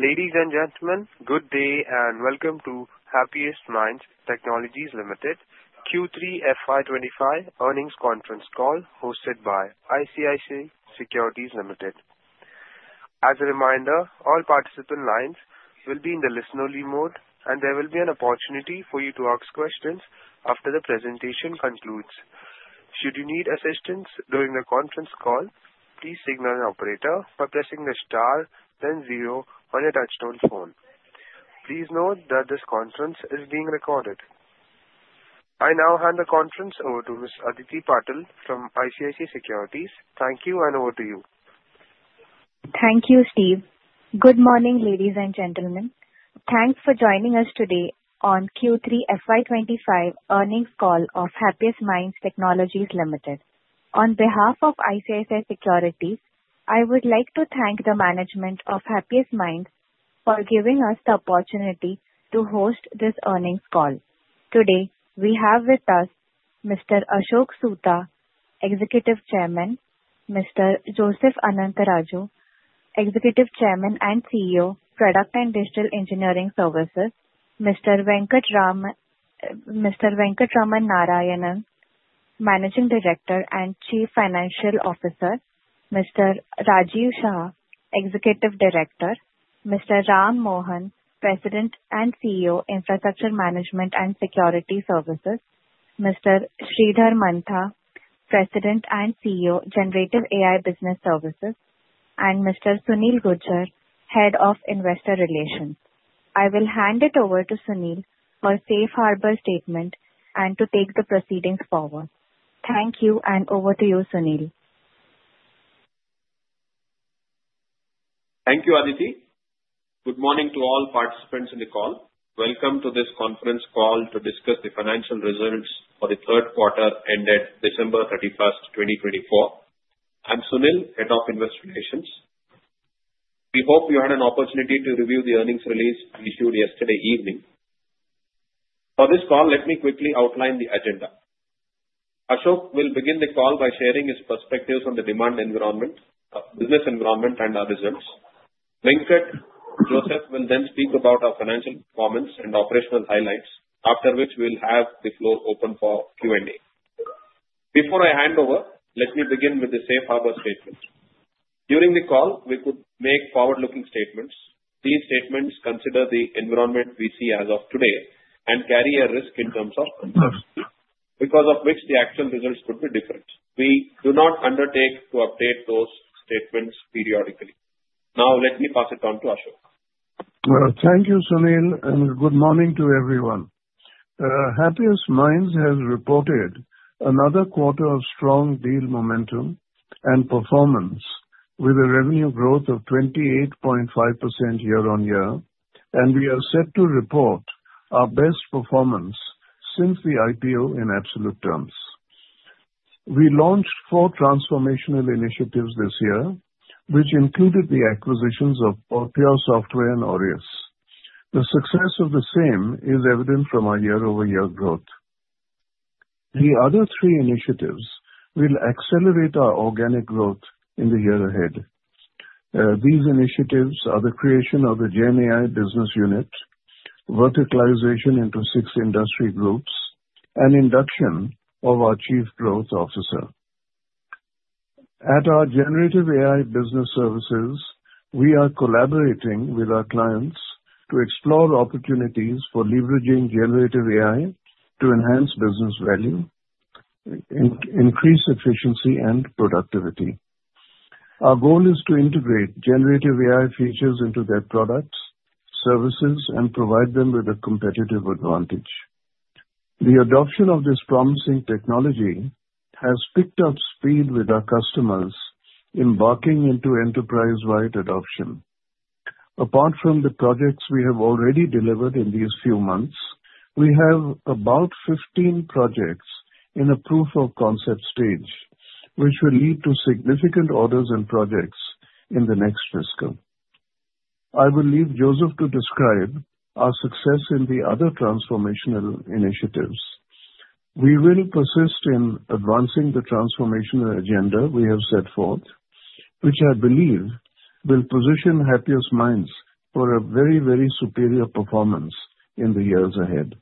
Ladies and gentlemen, good day and welcome to Happiest Minds Technologies Limited Q3 FY25 Earnings Conference Call hosted by ICICI Securities Limited. As a reminder, all participant lines will be in the listen only mode, and there will be an opportunity for you to ask questions after the presentation concludes. Should you need assistance during the conference call, please signal an operator by pressing the star, then zero on your touch-tone phone. Please note that this conference is being recorded. I now hand the conference over to Ms. Aditi Patil from ICICI Securities. Thank you, and over to you. Thank you, Steve. Good morning, ladies and gentlemen. Thanks for joining us today on Q3 FY25 Earnings Call of Happiest Minds Technologies Limited. On behalf of ICICI Securities, I would like to thank the management of Happiest Minds for giving us the opportunity to host this earnings call. Today, we have with us Mr. Ashok Soota, Executive Chairman, Mr. Joseph Anantharaju, Executive Vice Chairman and CEO, Product and Digital Engineering Services, Mr. Venkatraman Narayanan, Managing Director and Chief Financial Officer, Mr. Rajiv Shah, Executive Director, Mr. Ram Mohan, President and CEO, Infrastructure Management and Security Services, Mr. Sridhar Mantha, President and CEO, Generative AI Business Services, and Mr. Sunil Gujjar, Head of Investor Relations. I will hand it over to Sunil for a safe harbor statement and to take the proceedings forward. Thank you, and over to you, Sunil. Thank you, Aditi. Good morning to all participants in the call. Welcome to this conference call to discuss the financial results for the third quarter ended December 31st, 2024. I'm Sunil, Head of Investor Relations. We hope you had an opportunity to review the earnings release issued yesterday evening. For this call, let me quickly outline the agenda. Ashok will begin the call by sharing his perspectives on the demand environment, business environment, and our results. Venkat, Joseph will then speak about our financial performance and operational highlights, after which we'll have the floor open for Q and A. Before I hand over, let me begin with the safe harbor statement. During the call, we could make forward-looking statements. These statements consider the environment we see as of today and carry a risk in terms of complexity, because of which the actual results could be different. We do not undertake to update those statements periodically. Now, let me pass it on to Ashok. Thank you, Sunil, and good morning to everyone. Happiest Minds has reported another quarter of strong deal momentum and performance with a revenue growth of 28.5% year on year, and we are set to report our best performance since the IPO in absolute terms. We launched four transformational initiatives this year, which included the acquisitions of PureSoftware and Aureus. The success of the same is evident from our year over year growth. The other three initiatives will accelerate our organic growth in the year ahead. These initiatives are the creation of the GenAI business unit, verticalization into six industry groups, and induction of our Chief Growth Officer. At our Generative AI Business Services, we are collaborating with our clients to explore opportunities for leveraging generative AI to enhance business value, increase efficiency, and productivity. Our goal is to integrate generative AI features into their products, services, and provide them with a competitive advantage. The adoption of this promising technology has picked up speed with our customers embarking into enterprise-wide adoption. Apart from the projects we have already delivered in these few months, we have about 15 projects in a proof of concept stage, which will lead to significant orders and projects in the next fiscal. I will leave Joseph to describe our success in the other transformational initiatives. We will persist in advancing the transformational agenda we have set forth, which I believe will position Happiest Minds for a very, very superior performance in the years ahead.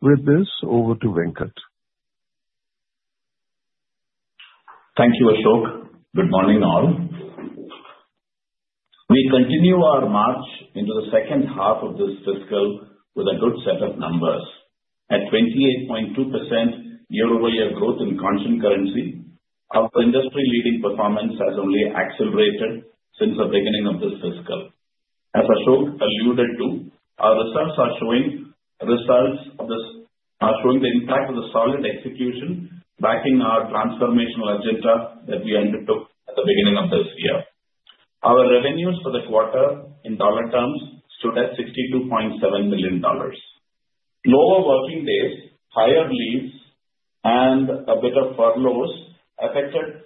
With this, over to Venkat. Thank you, Ashok. Good morning, all. We continue our march into the second half of this fiscal with a good set of numbers. At 28.2% year over year growth in constant currency, our industry-leading performance has only accelerated since the beginning of this fiscal. As Ashok alluded to, our results are showing the impact of the solid execution backing our transformational agenda that we undertook at the beginning of this year. Our revenues for the quarter in dollar terms stood at $62.7 million. Lower working days, higher leaves, and a bit of furloughs affected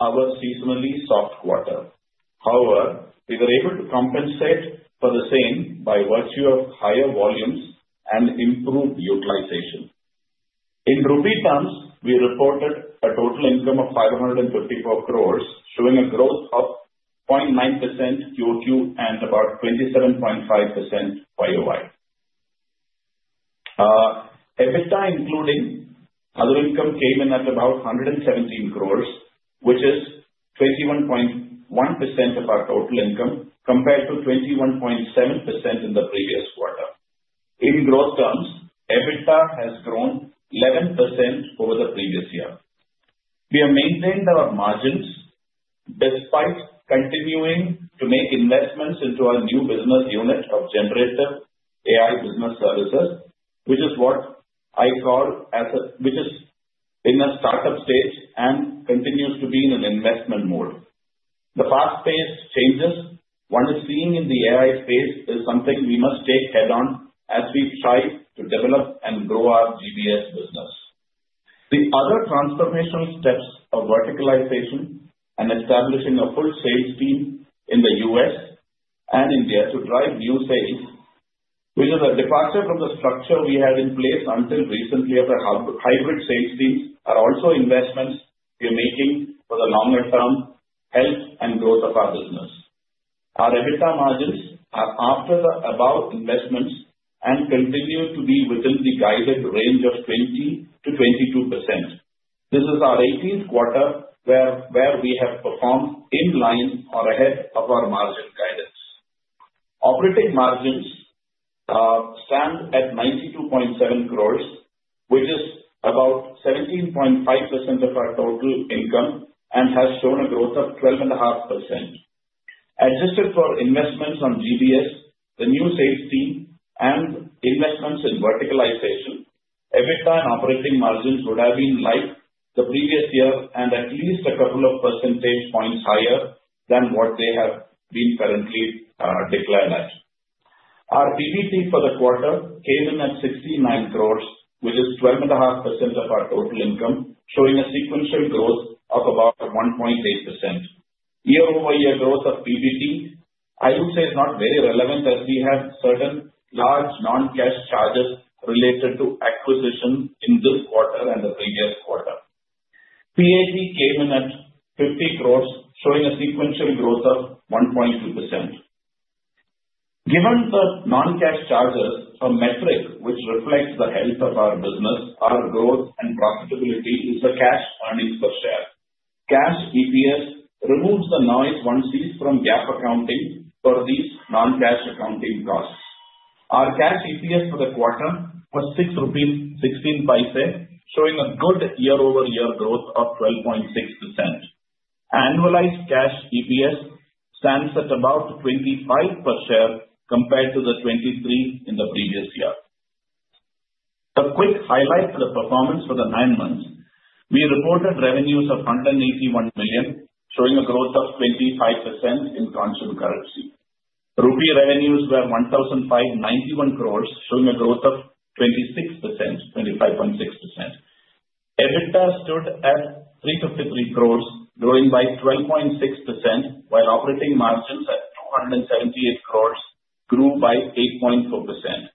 our seasonally soft quarter. However, we were able to compensate for the same by virtue of higher volumes and improved utilization. In rupee terms, we reported a total income of 554 crores, showing a growth of 0.9% QoQ and about 27.5% YOY. EBITDA including other income came in at about 117 crores, which is 21.1% of our total income compared to 21.7% in the previous quarter. In growth terms, EBITDA has grown 11% over the previous year. We have maintained our margins despite continuing to make investments into our new business unit of generative AI business services, which is what I call business startup stage and continues to be in an investment mode. The fast-paced changes one is seeing in the AI space is something we must take head-on as we try to develop and grow our GBS business. The other transformational steps of verticalization and establishing a full sales team in the U.S. and India to drive new sales, which is a departure from the structure we had in place until recently of a hybrid sales team, are also investments we are making for the longer-term health and growth of our business. Our EBITDA margins are after the above investments and continue to be within the guided range of 20% to 22%. This is our 18th quarter where we have performed in line or ahead of our margin guidance. Operating margins stand at 92.7 crores, which is about 17.5% of our total income and has shown a growth of 12.5%. Adjusted for investments on GBS, the new sales team, and investments in verticalization, EBITDA and operating margins would have been like the previous year and at least a couple of percentage points higher than what they have been currently declared at. Our PBT for the quarter came in at 69 crores, which is 12.5% of our total income, showing a sequential growth of about 1.8%. Year over year growth of PBT, I would say, is not very relevant as we have certain large non-cash charges related to acquisition in this quarter and the previous quarter. PAT came in at 50 crores, showing a sequential growth of 1.2%. Given the non-cash charges, a metric which reflects the health of our business, our growth and profitability is the cash earnings per share. Cash EPS removes the noise one sees from GAAP accounting for these non-cash accounting costs. Our cash EPS for the quarter was INR 6.16, showing a good year over year growth of 12.6%. Annualized cash EPS stands at about 25% per share compared to the 23% in the previous year. A quick highlight for the performance for the nine months, we reported revenues of 181 million, showing a growth of 25% in constant currency. Rupee revenues were 1,591 crores, showing a growth of 26%, 25.6%. EBITDA stood at 353 crores, growing by 12.6%, while operating margins at 278 crores grew by 8.4%.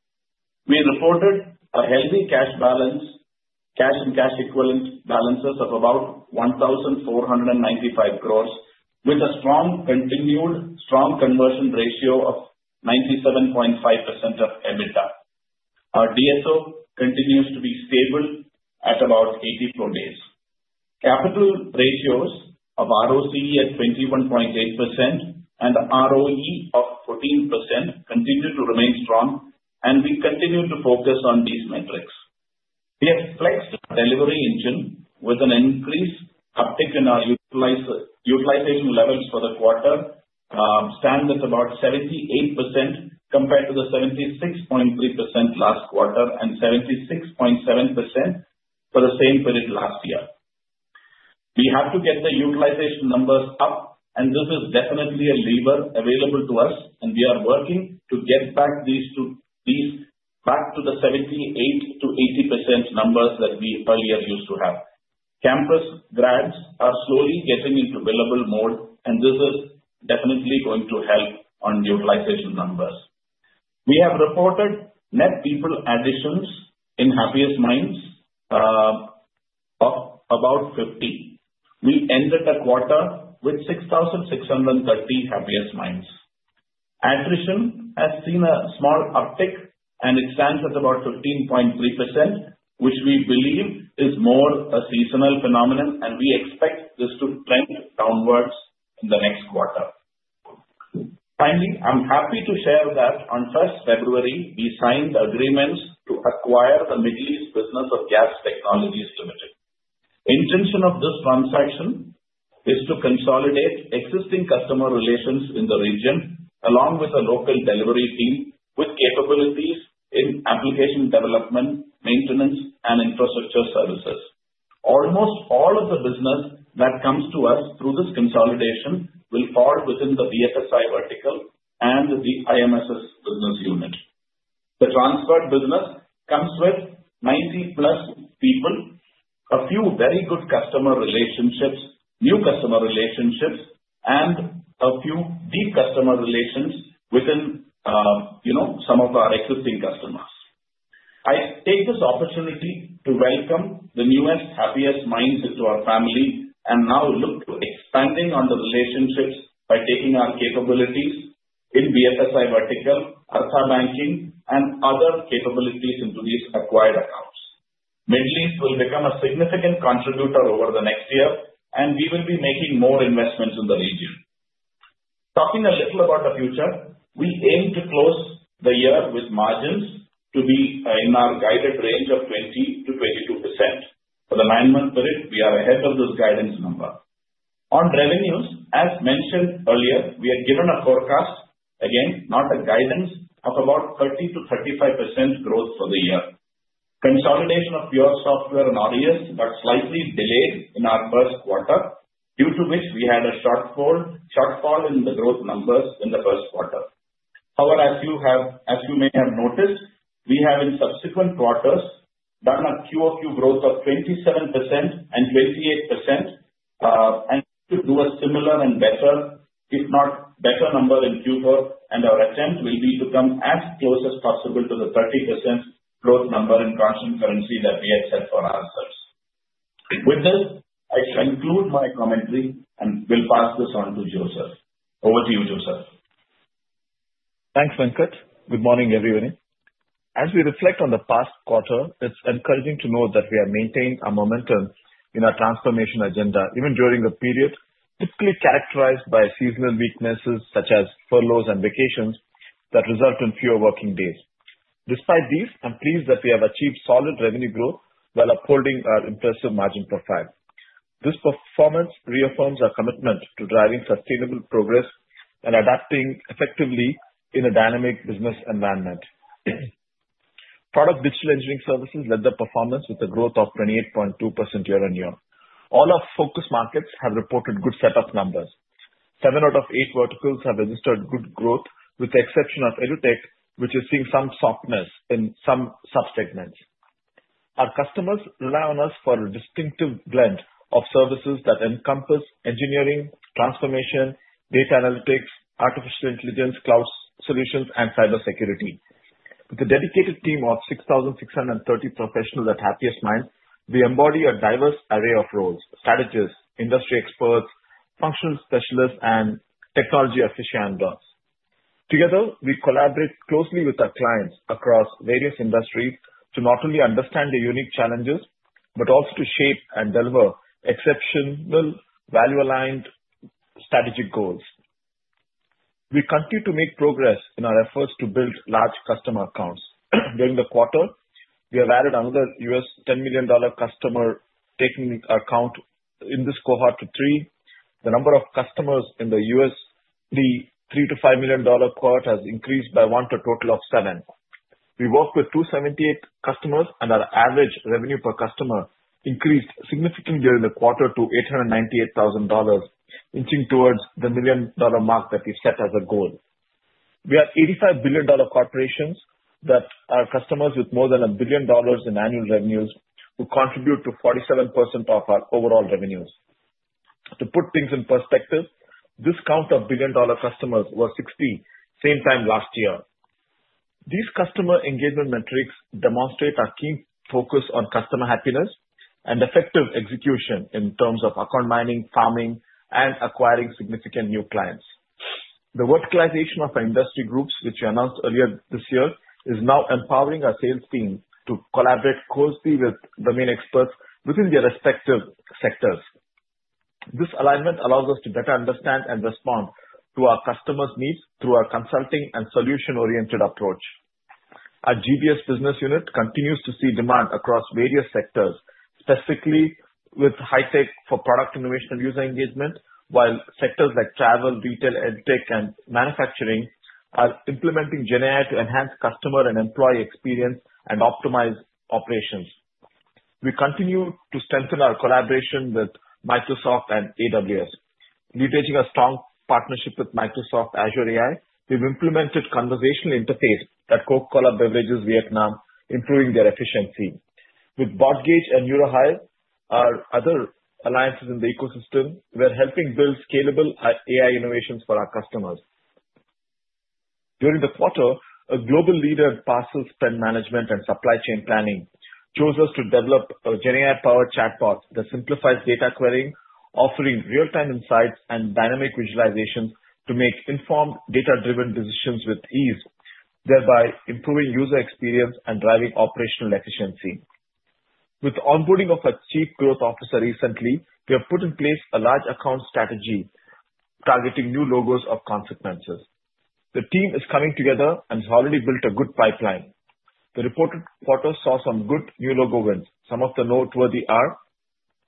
We reported a healthy cash balance, cash and cash equivalent balances of about 1,495 crores, with a strong continued conversion ratio of 97.5% of EBITDA. Our DSO continues to be stable at about 84 days. Capital ratios of ROCE at 21.8% and ROE of 14% continue to remain strong, and we continue to focus on these metrics. We have flexed delivery engine with an increased uptick in our utilization levels for the quarter, standing at about 78% compared to the 76.3% last quarter and 76.7% for the same period last year. We have to get the utilization numbers up, and this is definitely a lever available to us, and we are working to get back these to the 78% to 80% numbers that we earlier used to have. Campus grads are slowly getting into billable mode, and this is definitely going to help on utilization numbers. We have reported net people additions in Happiest Minds of about 50. We ended the quarter with 6,630 Happiest Minds. Attrition has seen a small uptick and it stands at about 15.3%, which we believe is more a seasonal phenomenon, and we expect this to trend downwards in the next quarter. Finally, I'm happy to share that on 1st February, we signed agreements to acquire the Middle East Business of PureSoftware Limited. Intention of this transaction is to consolidate existing customer relations in the region along with a local delivery team with capabilities in application development, maintenance, and infrastructure services. Almost all of the business that comes to us through this consolidation will fall within the BFSI vertical and the IMSS business unit. The transport business comes with 90-plus people, a few very good customer relationships, new customer relationships, and a few deep customer relations within some of our existing customers. I take this opportunity to welcome the newest Happiest Minds into our family and now look to expanding on the relationships by taking our capabilities in BFSI vertical, Arttha Banking, and other capabilities into these acquired accounts. Middle East will become a significant contributor over the next year, and we will be making more investments in the region. Talking a little about the future, we aim to close the year with margins to be in our guided range of 20% to 22%. For the nine-month period, we are ahead of this guidance number. On revenues, as mentioned earlier, we are given a forecast, again, not a guidance, of about 30% to 35% growth for the year. Consolidation of PureSoftware and Aureus got slightly delayed in our first quarter, due to which we had a shortfall in the growth numbers in the first quarter. However, as you may have noticed, we have in subsequent quarters done a QoQ growth of 27% and 28%, and to do a similar and better, if not better, number in Q4, and our attempt will be to come as close as possible to the 30% growth number in constant currency that we had set for ourselves. With this, I shall conclude my commentary and will pass this on to Joseph. Over to you, Joseph. Thanks, Venkat. Good morning, everyone. As we reflect on the past quarter, it's encouraging to note that we have maintained our momentum in our transformation agenda even during a period typically characterized by seasonal weaknesses such as furloughs and vacations that result in fewer working days. Despite these, I'm pleased that we have achieved solid revenue growth while upholding our impressive margin profile. This performance reaffirms our commitment to driving sustainable progress and adapting effectively in a dynamic business environment. Product and Digital Engineering Services led the performance with a growth of 28.2% year on year. All our focus markets have reported good setup numbers. Seven out of eight verticals have registered good growth with the exception of EdTech, which is seeing some softness in some subsegments. Our customers rely on us for a distinctive blend of services that encompass engineering, transformation, data analytics, artificial intelligence, cloud solutions, and cybersecurity. With a dedicated team of 6,630 professionals at Happiest Minds, we embody a diverse array of roles, strategists, industry experts, functional specialists, and technology aficionados. Together, we collaborate closely with our clients across various industries to not only understand their unique challenges but also to shape and deliver exceptional value-aligned strategic goals. We continue to make progress in our efforts to build large customer accounts. During the quarter, we have added another $10 million customer, taking the account in this cohort to three. The number of customers in the $3 to $5 million cohort has increased by one to a total of seven. We work with 278 customers, and our average revenue per customer increased significantly during the quarter to $898,000, inching towards the million-dollar mark that we've set as a goal. We have 85 billion-dollar corporations that are customers with more than a billion dollars in annual revenues who contribute to 47% of our overall revenues. To put things in perspective, this count of billion-dollar customers was 60 same time last year. These customer engagement metrics demonstrate our keen focus on customer happiness and effective execution in terms of account mining, farming, and acquiring significant new clients. The verticalization of our industry groups, which we announced earlier this year, is now empowering our sales team to collaborate closely with domain experts within their respective sectors. This alignment allows us to better understand and respond to our customers' needs through our consulting and solution-oriented approach. Our GBS business unit continues to see demand across various sectors, specifically with Hi-Tech for product innovation and user engagement, while sectors like travel, retail, EdTech, and manufacturing are implementing GenAI to enhance customer and employee experience and optimize operations. We continue to strengthen our collaboration with Microsoft and AWS. Leading a strong partnership with Microsoft Azure AI, we've implemented conversational interfaces for Coca-Cola Beverages Vietnam, improving their efficiency. With BorgConnect and NeuroHive, our other alliances in the ecosystem, we're helping build scalable AI innovations for our customers. During the quarter, a global leader in parcel spend management and supply chain planning chose us to develop a GenAI-powered chatbot that simplifies data querying, offering real-time insights and dynamic visualizations to make informed data-driven decisions with ease, thereby improving user experience and driving operational efficiency. With onboarding of a chief growth officer recently, we have put in place a large account strategy targeting new logos of consequence. The team is coming together and has already built a good pipeline. The reported quarter saw some good new logo wins. Some of the noteworthy are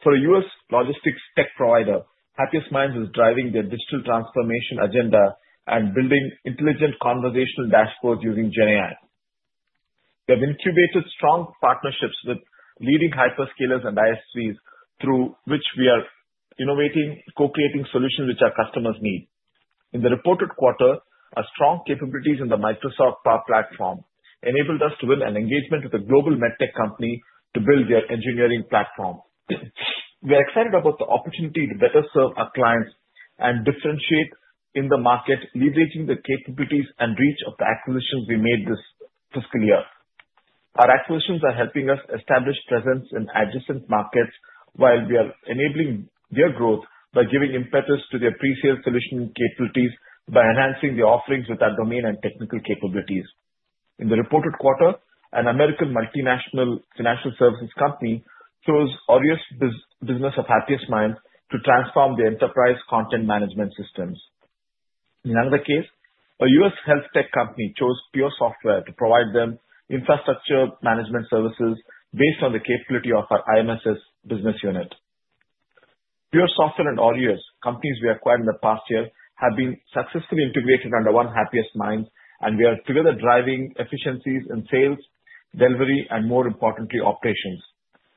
for a U.S. logistics tech provider, Happiest Minds is driving their digital transformation agenda and building intelligent conversational dashboards using GenAI. We have incubated strong partnerships with leading hyperscalers and ISVs through which we are innovating, co-creating solutions which our customers need. In the reported quarter, our strong capabilities in the Microsoft Power Platform enabled us to win an engagement with a global MedTech company to build their engineering platform. We are excited about the opportunity to better serve our clients and differentiate in the market, leveraging the capabilities and reach of the acquisitions we made this fiscal year. Our acquisitions are helping us establish presence in adjacent markets while we are enabling their growth by giving impetus to their pre-sale solution capabilities by enhancing the offerings with our domain and technical capabilities. In the reported quarter, an American multinational financial services company chose Aureus business of Happiest Minds to transform the enterprise content management systems. In another case, a U.S. HealthTech company chose PureSoftware to provide them infrastructure management services based on the capability of our IMSS business unit. PureSoftware and Aureus, companies we acquired in the past year, have been successfully integrated under one Happiest Minds, and we are together driving efficiencies in sales, delivery, and more importantly, operations.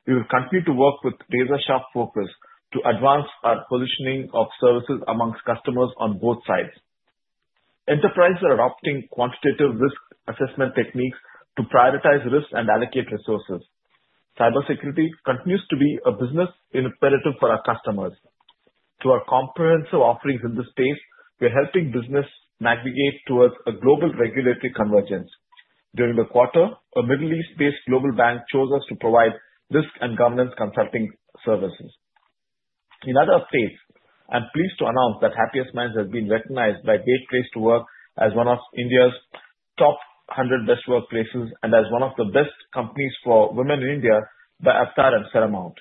We will continue to work with razor-sharp focus to advance our positioning of services amongst customers on both sides. Enterprises are adopting quantitative risk assessment techniques to prioritize risks and allocate resources. Cybersecurity continues to be a business imperative for our customers. Through our comprehensive offerings in this space, we are helping businesses navigate towards a global regulatory convergence. During the quarter, a Middle East-based global bank chose us to provide risk and governance consulting services. In other updates, I'm pleased to announce that Happiest Minds has been recognized by Great Place To Work as one of India's top 100 best workplaces and as one of the best companies for women in India by Avtar and Seramount.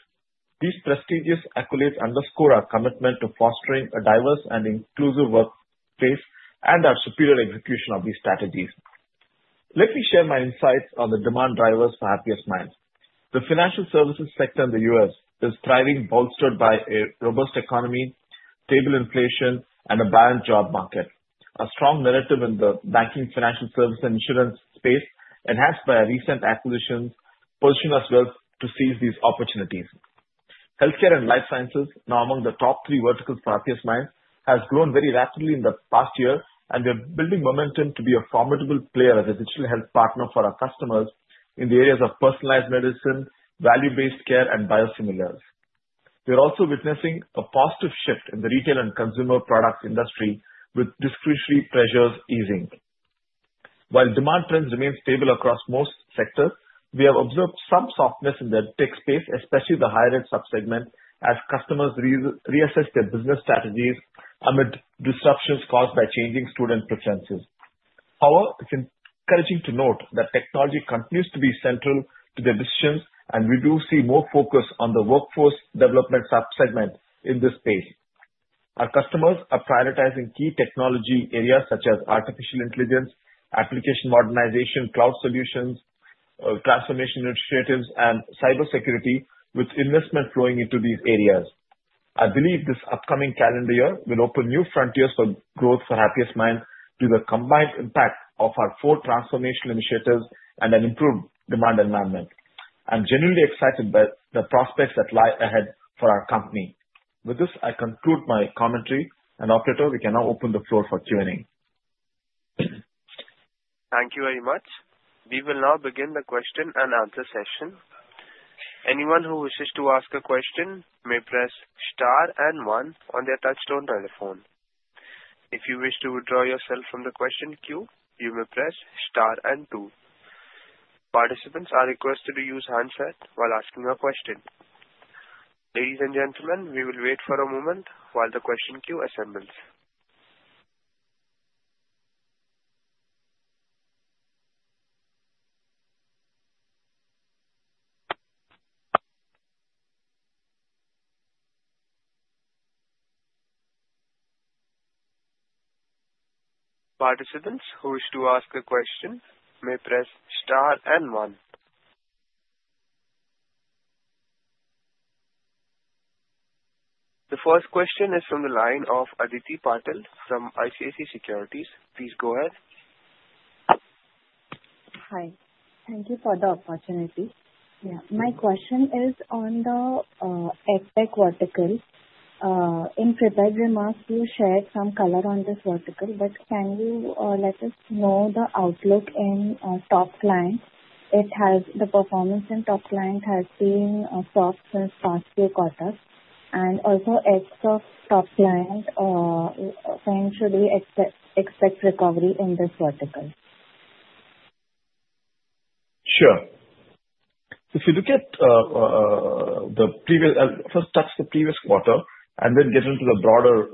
These prestigious accolades underscore our commitment to fostering a diverse and inclusive workplace and our superior execution of these strategies. Let me share my insights on the demand drivers for Happiest Minds. The financial services sector in the U.S. is thriving, bolstered by a robust economy, stable inflation, and a balanced job market. A strong narrative in the banking, financial services, and insurance space, enhanced by recent acquisitions, positioned us well to seize these opportunities. Healthcare and life sciences, now among the top three verticals for Happiest Minds, have grown very rapidly in the past year, and we are building momentum to be a formidable player as a digital health partner for our customers in the areas of personalized medicine, value-based care, and biosimilars. We are also witnessing a positive shift in the retail and consumer products industry with discretionary pressures easing. While demand trends remain stable across most sectors, we have observed some softness in the tech space, especially the Higher Ed subsegment, as customers reassess their business strategies amid disruptions caused by changing student preferences. However, it's encouraging to note that technology continues to be central to their decisions, and we do see more focus on the workforce development subsegment in this space. Our customers are prioritizing key technology areas such as artificial intelligence, application modernization, cloud solutions, transformation initiatives, and cybersecurity, with investment flowing into these areas. I believe this upcoming calendar year will open new frontiers for growth for Happiest Minds due to the combined impact of our four transformation initiatives and an improved demand environment. I'm genuinely excited by the prospects that lie ahead for our company. With this, I conclude my commentary, and, Operator, we can now open the floor for Q and A. Thank you very much. We will now begin the question and answer session. Anyone who wishes to ask a question may press star and one on their touch-tone telephone. If you wish to withdraw yourself from the question queue, you may press star and two. Participants are requested to use handset while asking a question. Ladies and gentlemen, we will wait for a moment while the question queue assembles. Participants who wish to ask a question may press star and one. The first question is from the line of Aditi Patil from ICICI Securities. Please go ahead. Hi. Thank you for the opportunity. Yeah, my question is on the EdTech vertical. In prepared remarks, you shared some color on this vertical, but can you let us know the outlook in top client? The performance in top client has been soft since past year quarter. And also, as of top client, when should we expect recovery in this vertical? Sure. If you look at the previous, first touch the previous quarter and then get into the broader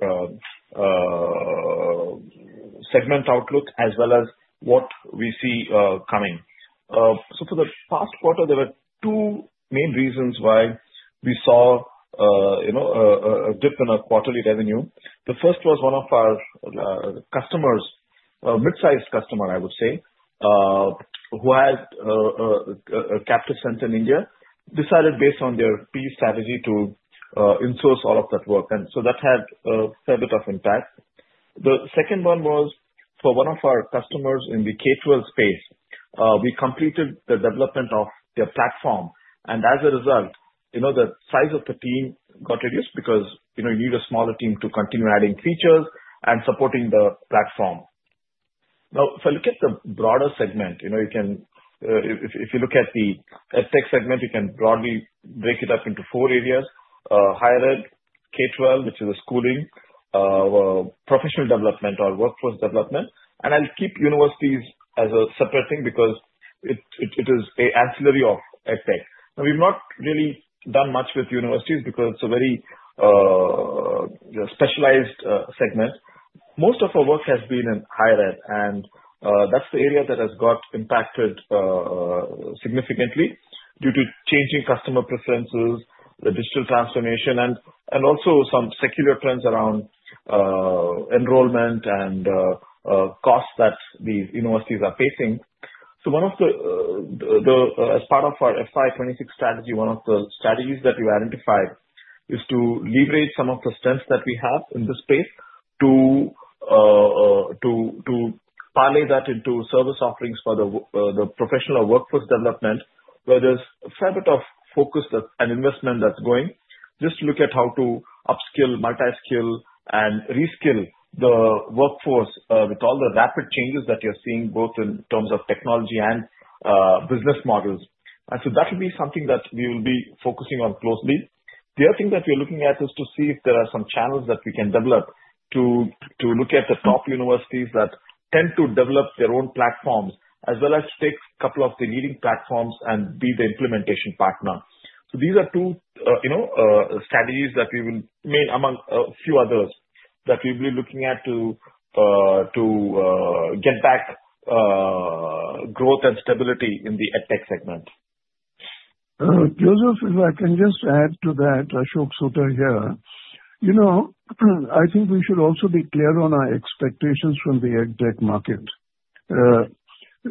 segment outlook as well as what we see coming so for the past quarter, there were two main reasons why we saw a dip in our quarterly revenue. The first was one of our customers, a mid-sized customer, I would say, who had a captive center in India, decided based on their IT strategy to insource all of that work, and so that had a fair bit of impact. The second one was for one of our customers in the K-12 space. We completed the development of their platform, and as a result, the size of the team got reduced because you need a smaller team to continue adding features and supporting the platform. Now, if I look at the broader segment, if you look at the EdTech segment, u can broadly break it up into four areas, Higher Ed, K-12, which is a schooling, professional development, or workforce development. And I'll keep universities as a separate thing because it is an ancillary of EdTech. Now, we've not really done much with universities because it's a very specialized segment. Most of our work has been in Higher Ed, and that's the area that has got impacted significantly due to changing customer preferences, the digital transformation, and also some secular trends around enrollment and costs that the universities are facing. So as part of our FY26 strategy, one of the strategies that we've identified is to leverage some of the strengths that we have in this space to parlay that into service offerings for the professional workforce development, where there's a fair bit of focus and investment that's going just to look at how to upskill, multiskill, and reskill the workforce with all the rapid changes that you're seeing, both in terms of technology and business models. And so that will be something that we will be focusing on closely. The other thing that we're looking at is to see if there are some channels that we can develop to look at the top universities that tend to develop their own platforms as well as take a couple of the leading platforms and be the implementation partner. So these are two strategies that we will, among a few others, that we'll be looking at to get back growth and stability in the EdTech segment. Joseph, if I can just add to that, Ashok Soota here, I think we should also be clear on our expectations from the EdTech market.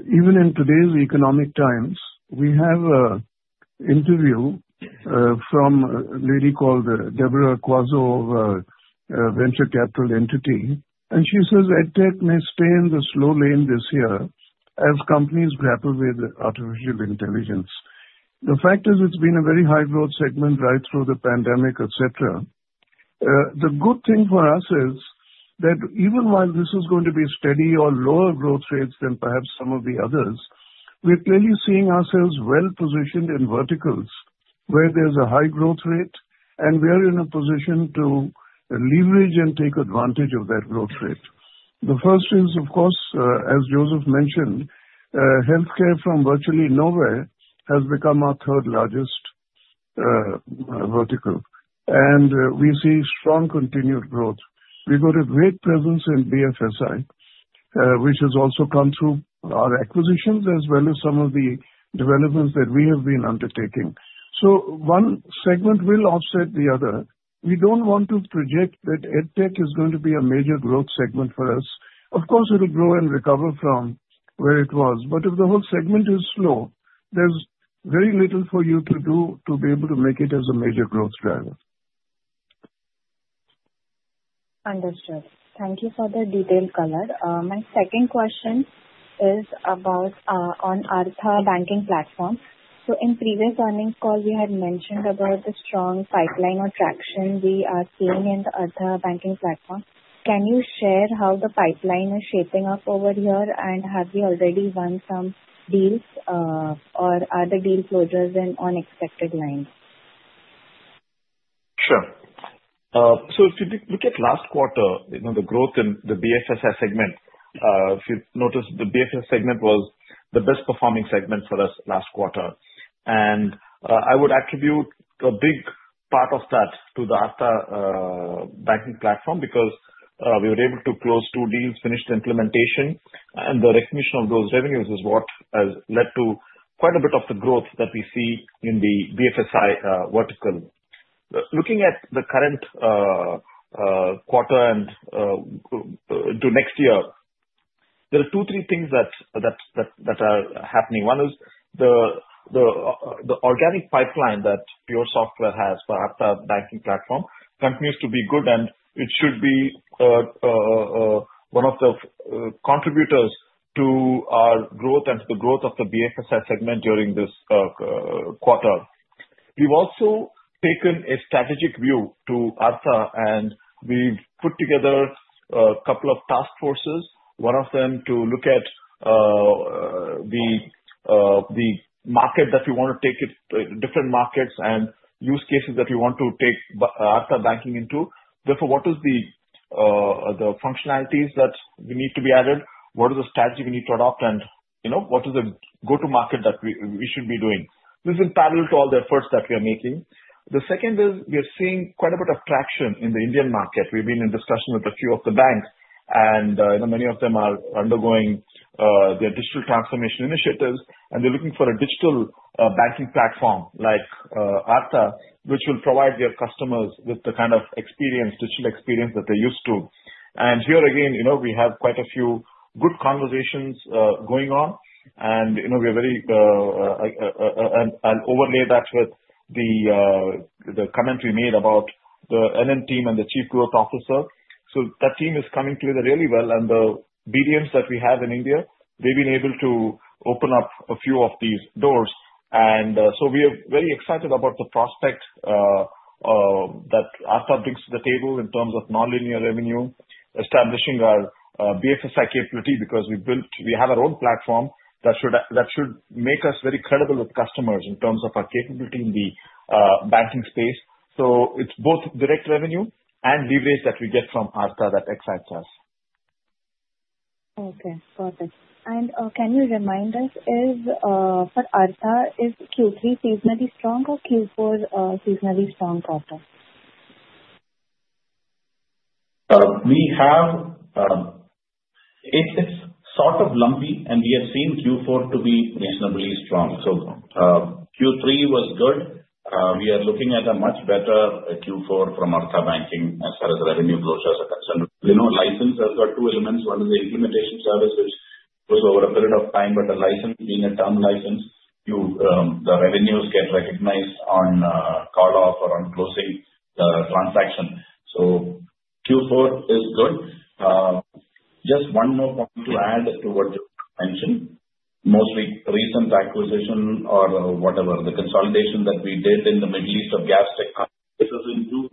Even in today's economic times, we have an interview from a lady called Deborah Quazzo of a venture capital entity, and she says EdTech may stay in the slow lane this year as companies grapple with artificial intelligence. The fact is it's been a very high-growth segment right through the pandemic, etc. The good thing for us is that even while this is going to be steady or lower growth rates than perhaps some of the others, we're clearly seeing ourselves well-positioned in verticals where there's a high growth rate, and we are in a position to leverage and take advantage of that growth rate. The first is, of course, as Joseph mentioned, healthcare from virtually nowhere has become our third largest vertical, and we see strong continued growth. We've got a great presence in BFSI, which has also come through our acquisitions as well as some of the developments that we have been undertaking. So one segment will offset the other. We don't want to project that EdTech is going to be a major growth segment for us. Of course, it'll grow and recover from where it was, but if the whole segment is slow, there's very little for you to do to be able to make it as a major growth driver. Understood. Thank you for the detailed color. My second question is about the Arttha Banking platform. So in the previous earnings call, we had mentioned about the strong pipeline or traction we are seeing in the Arttha Banking platform. Can you share how the pipeline is shaping up over here, and have we already won some deals, or are the deal closures in expected lines? Sure. So if you look at last quarter, the growth in the BFSI segment, if you notice, the BFSI segment was the best-performing segment for us last quarter. And I would attribute a big part of that to the Arttha Banking platform because we were able to close two deals, finish the implementation, and the recognition of those revenues is what has led to quite a bit of the growth that we see in the BFSI vertical. Looking at the current quarter and to next year, there are two, three things that are happening. One is the organic pipeline that PureSoftware has for Arttha Banking platform continues to be good, and it should be one of the contributors to our growth and the growth of the BFSI segment during this quarter. We've also taken a strategic view to Arttha, and we've put together a couple of task forces, one of them to look at the market that we want to take it, different markets and use cases that we want to take Arttha Banking into. Therefore, what are the functionalities that need to be added? What is the strategy we need to adopt, and what is the go-to-market that we should be doing? This is in parallel to all the efforts that we are making. The second is we are seeing quite a bit of traction in the Indian market. We've been in discussion with a few of the banks, and many of them are undergoing their digital transformation initiatives, and they're looking for a digital banking platform like Arttha, which will provide their customers with the kind of digital experience that they're used to. And here again, we have quite a few good conversations going on, and we're very. I'll overlay that with the comment we made about the NN team and the Chief Growth Officer. So that team is coming together really well, and the BDMs that we have in India, they've been able to open up a few of these doors. And so we are very excited about the prospect that Arttha brings to the table in terms of non-linear revenue, establishing our BFSI capability because we have our own platform that should make us very credible with customers in terms of our capability in the banking space. So it's both direct revenue and leverage that we get from Arttha that excites us. Okay. Perfect. And can you remind us, for Arttha, is Q3 seasonally strong or Q4 seasonally strong quarter? We have. It's sort of lumpy, and we have seen Q4 to be reasonably strong. So Q3 was good. We are looking at a much better Q4 from Arttha Banking as far as revenue growth is concerned. Licenses have got two elements. One is the implementation service, which goes over a period of time, but a license being a term license, the revenues get recognized on call-off or on closing the transaction. So Q4 is good. Just one more point to add to what Joseph mentioned, mostly recent acquisition or whatever, the consolidation that we did in the Middle East of PureSoftware which has been through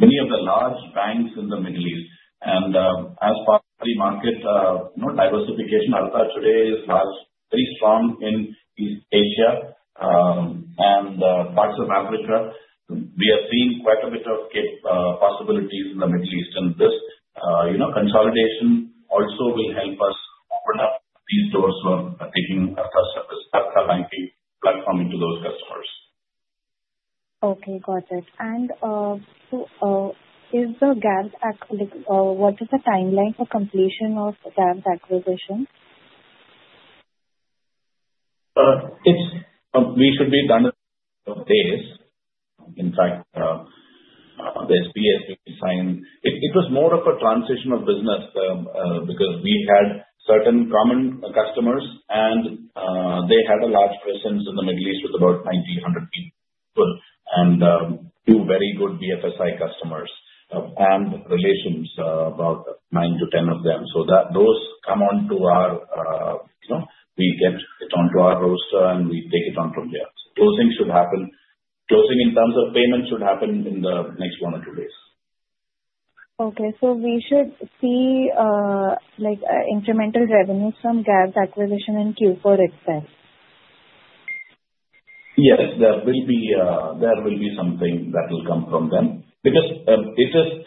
many of the large banks in the Middle East. And as part of the market diversification, Arttha today is very strong in East Asia and parts of Africa. We are seeing quite a bit of possibilities in the Middle East, and this consolidation also will help us open up these doors for taking Arttha Banking platform into those customers. Okay. Got it. And so, what is the timeline for completion of PureSoftware's acquisition? We should be done in a few days. In fact, the SPA has been signed. It was more of a transition of business because we had certain common customers, and they had a large presence in the Middle East with about 9,300 people and two very good BFSI customers and relations about nine to 10 of them. So those come onto our roster, and we take it on from there. So closing should happen. Closing in terms of payments should happen in the next one or two days. Okay. So we should see incremental revenues from PureSoftware's acquisition in Q4 itself? Yes. There will be something that will come from them because it is,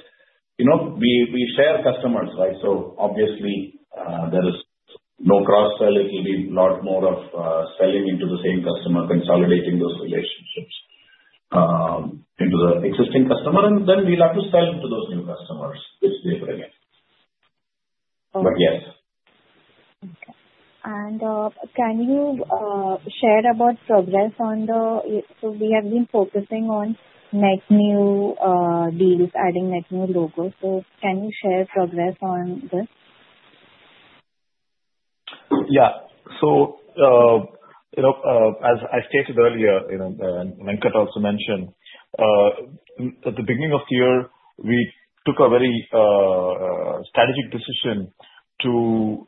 we share customers, right? So obviously, there is no cross-sell. It will be a lot more of selling into the same customer, consolidating those relationships into the existing customer, and then we'll have to sell to those new customers which they bring in. But yes. Okay. And can you share about progress on the, so we have been focusing on net new deals, adding net new logos. So can you share progress on this? Yeah. So as I stated earlier, Venkat also mentioned, at the beginning of the year, we took a very strategic decision to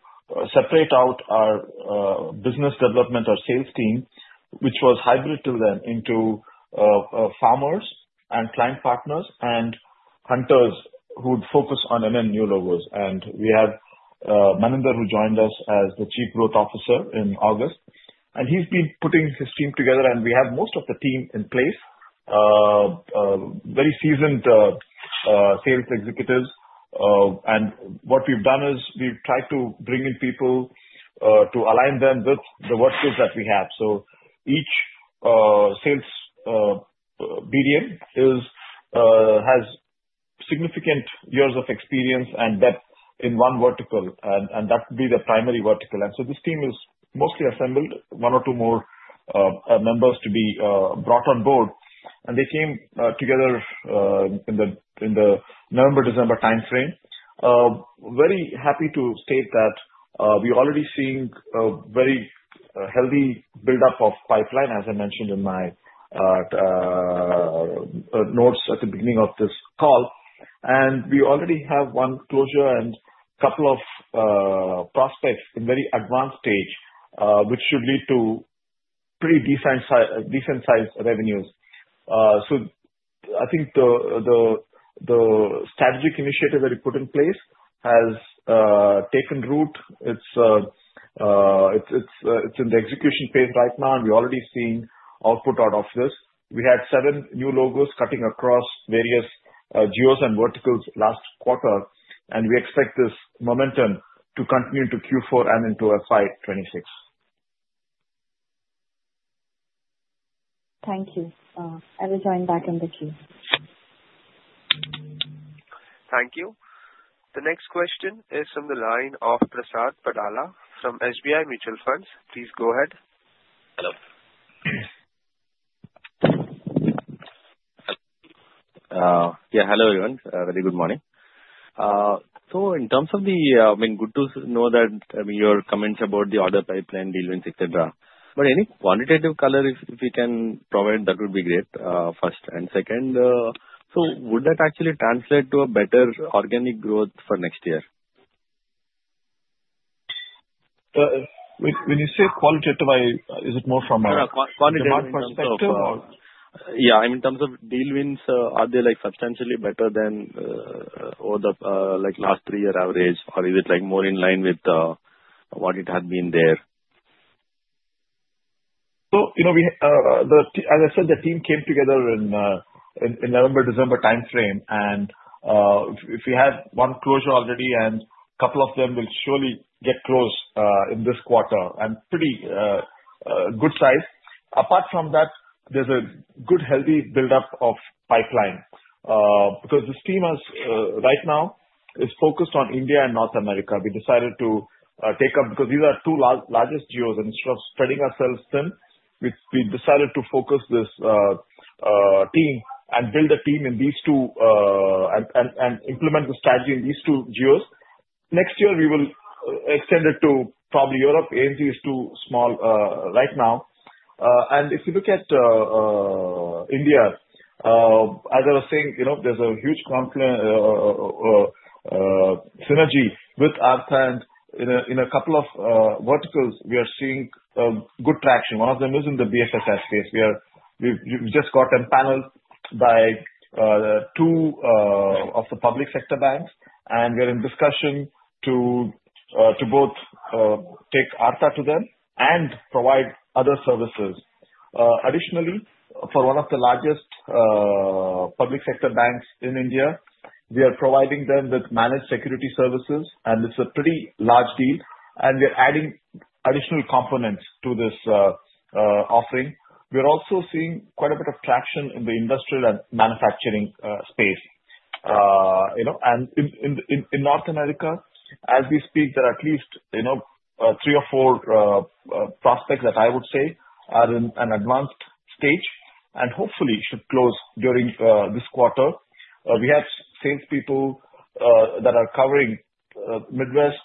separate out our business development, our sales team, which was hybrid till then, into farmers and client partners and hunters who would focus on in new logos. And we have Maninder, who joined us as the Chief Growth Officer in August, and he's been putting his team together, and we have most of the team in place, very seasoned sales executives. And what we've done is we've tried to bring in people to align them with the verticals that we have. So each sales BDM has significant years of experience and depth in one vertical, and that would be the primary vertical. And so this team is mostly assembled, one or two more members to be brought on board, and they came together in the November-December timeframe. Very happy to state that we're already seeing a very healthy buildup of pipeline, as I mentioned in my notes at the beginning of this call. And we already have one closure and a couple of prospects in very advanced stage, which should lead to pretty decent-sized revenues. So I think the strategic initiative that we put in place has taken root. It's in the execution phase right now, and we're already seeing output out of this. We had seven new logos cutting across various geos and verticals last quarter, and we expect this momentum to continue into Q4 and into FY26. Thank you. I will join back in the queue. Thank you. The next question is from the line of Prasad Padala from SBI Mutual Fund. Please go ahead. Hello. Yeah. Hello, everyone. Very good morning. So in terms of, I mean, good to know that your comments about the order pipeline, dealings, etc. But any quantitative color, if you can provide, that would be great first. And second, so would that actually translate to a better organic growth for next year? When you say qualitative, is it more from a- No, no. Quantitative perspective. Perspective, or? Yeah. I mean, in terms of deal wins, are they substantially better than over the last three-year average, or is it more in line with what it had been there? As I said, the team came together in the November-December timeframe, and if we have one closure already, a couple of them will surely get closed in this quarter and pretty good size. Apart from that, there's a good, healthy buildup of pipeline because this team right now is focused on India and North America. We decided to take up, because these are two largest geos, and instead of spreading ourselves thin, we decided to focus this team and build a team in these two and implement the strategy in these two geos. Next year, we will extend it to probably Europe. ANZ is too small right now. And if you look at India, as I was saying, there's a huge synergy with Arttha, and in a couple of verticals, we are seeing good traction. One of them is in the BFSI space. We've just gotten paneled by two of the public sector banks, and we are in discussion to both take Arttha to them and provide other services. Additionally, for one of the largest public sector banks in India, we are providing them with managed security services, and it's a pretty large deal, and we are adding additional components to this offering. We're also seeing quite a bit of traction in the industrial and manufacturing space, and in North America, as we speak, there are at least three or four prospects that I would say are in an advanced stage and hopefully should close during this quarter. We have salespeople that are covering Midwest,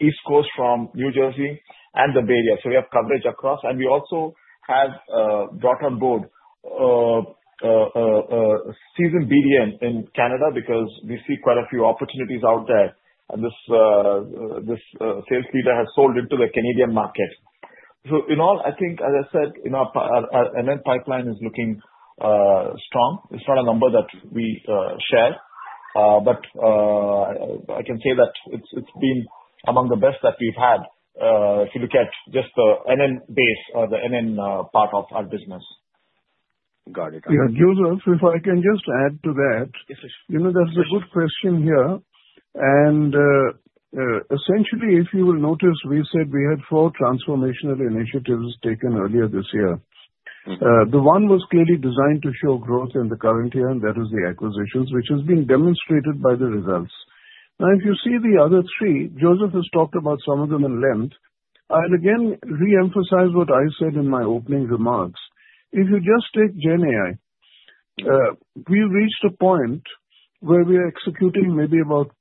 East Coast from New Jersey, and the Bay Area. So we have coverage across, and we also have brought on board a seasoned BDM in Canada because we see quite a few opportunities out there, and this sales leader has sold into the Canadian market. So in all, I think, as I said, our NN pipeline is looking strong. It's not a number that we share, but I can say that it's been among the best that we've had if you look at just the NN base or the NN part of our business. Got it. Yeah. Joseph, if I can just add to that. Yes, please. There's a good question here, and essentially, if you will notice, we said we had four transformational initiatives taken earlier this year. The one was clearly designed to show growth in the current year, and that is the acquisitions, which has been demonstrated by the results. Now, if you see the other three, Joseph has talked about some of them in length. I'll again re-emphasize what I said in my opening remarks. If you just take GenAI, we've reached a point where we are executing maybe about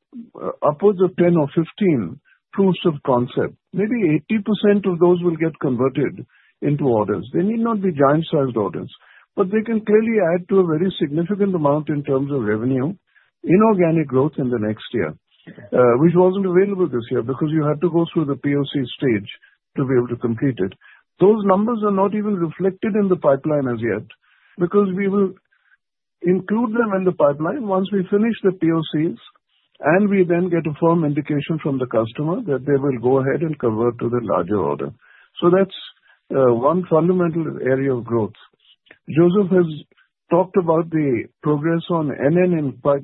upwards of 10 or 15 proofs of concept. Maybe 80% of those will get converted into orders. They need not be giant-sized orders, but they can clearly add to a very significant amount in terms of revenue, inorganic growth in the next year, which wasn't available this year because you had to go through the POC stage to be able to complete it. Those numbers are not even reflected in the pipeline as yet because we will include them in the pipeline once we finish the POCs, and we then get a firm indication from the customer that they will go ahead and convert to the larger order, so that's one fundamental area of growth. Joseph has talked about the progress on GenAI in quite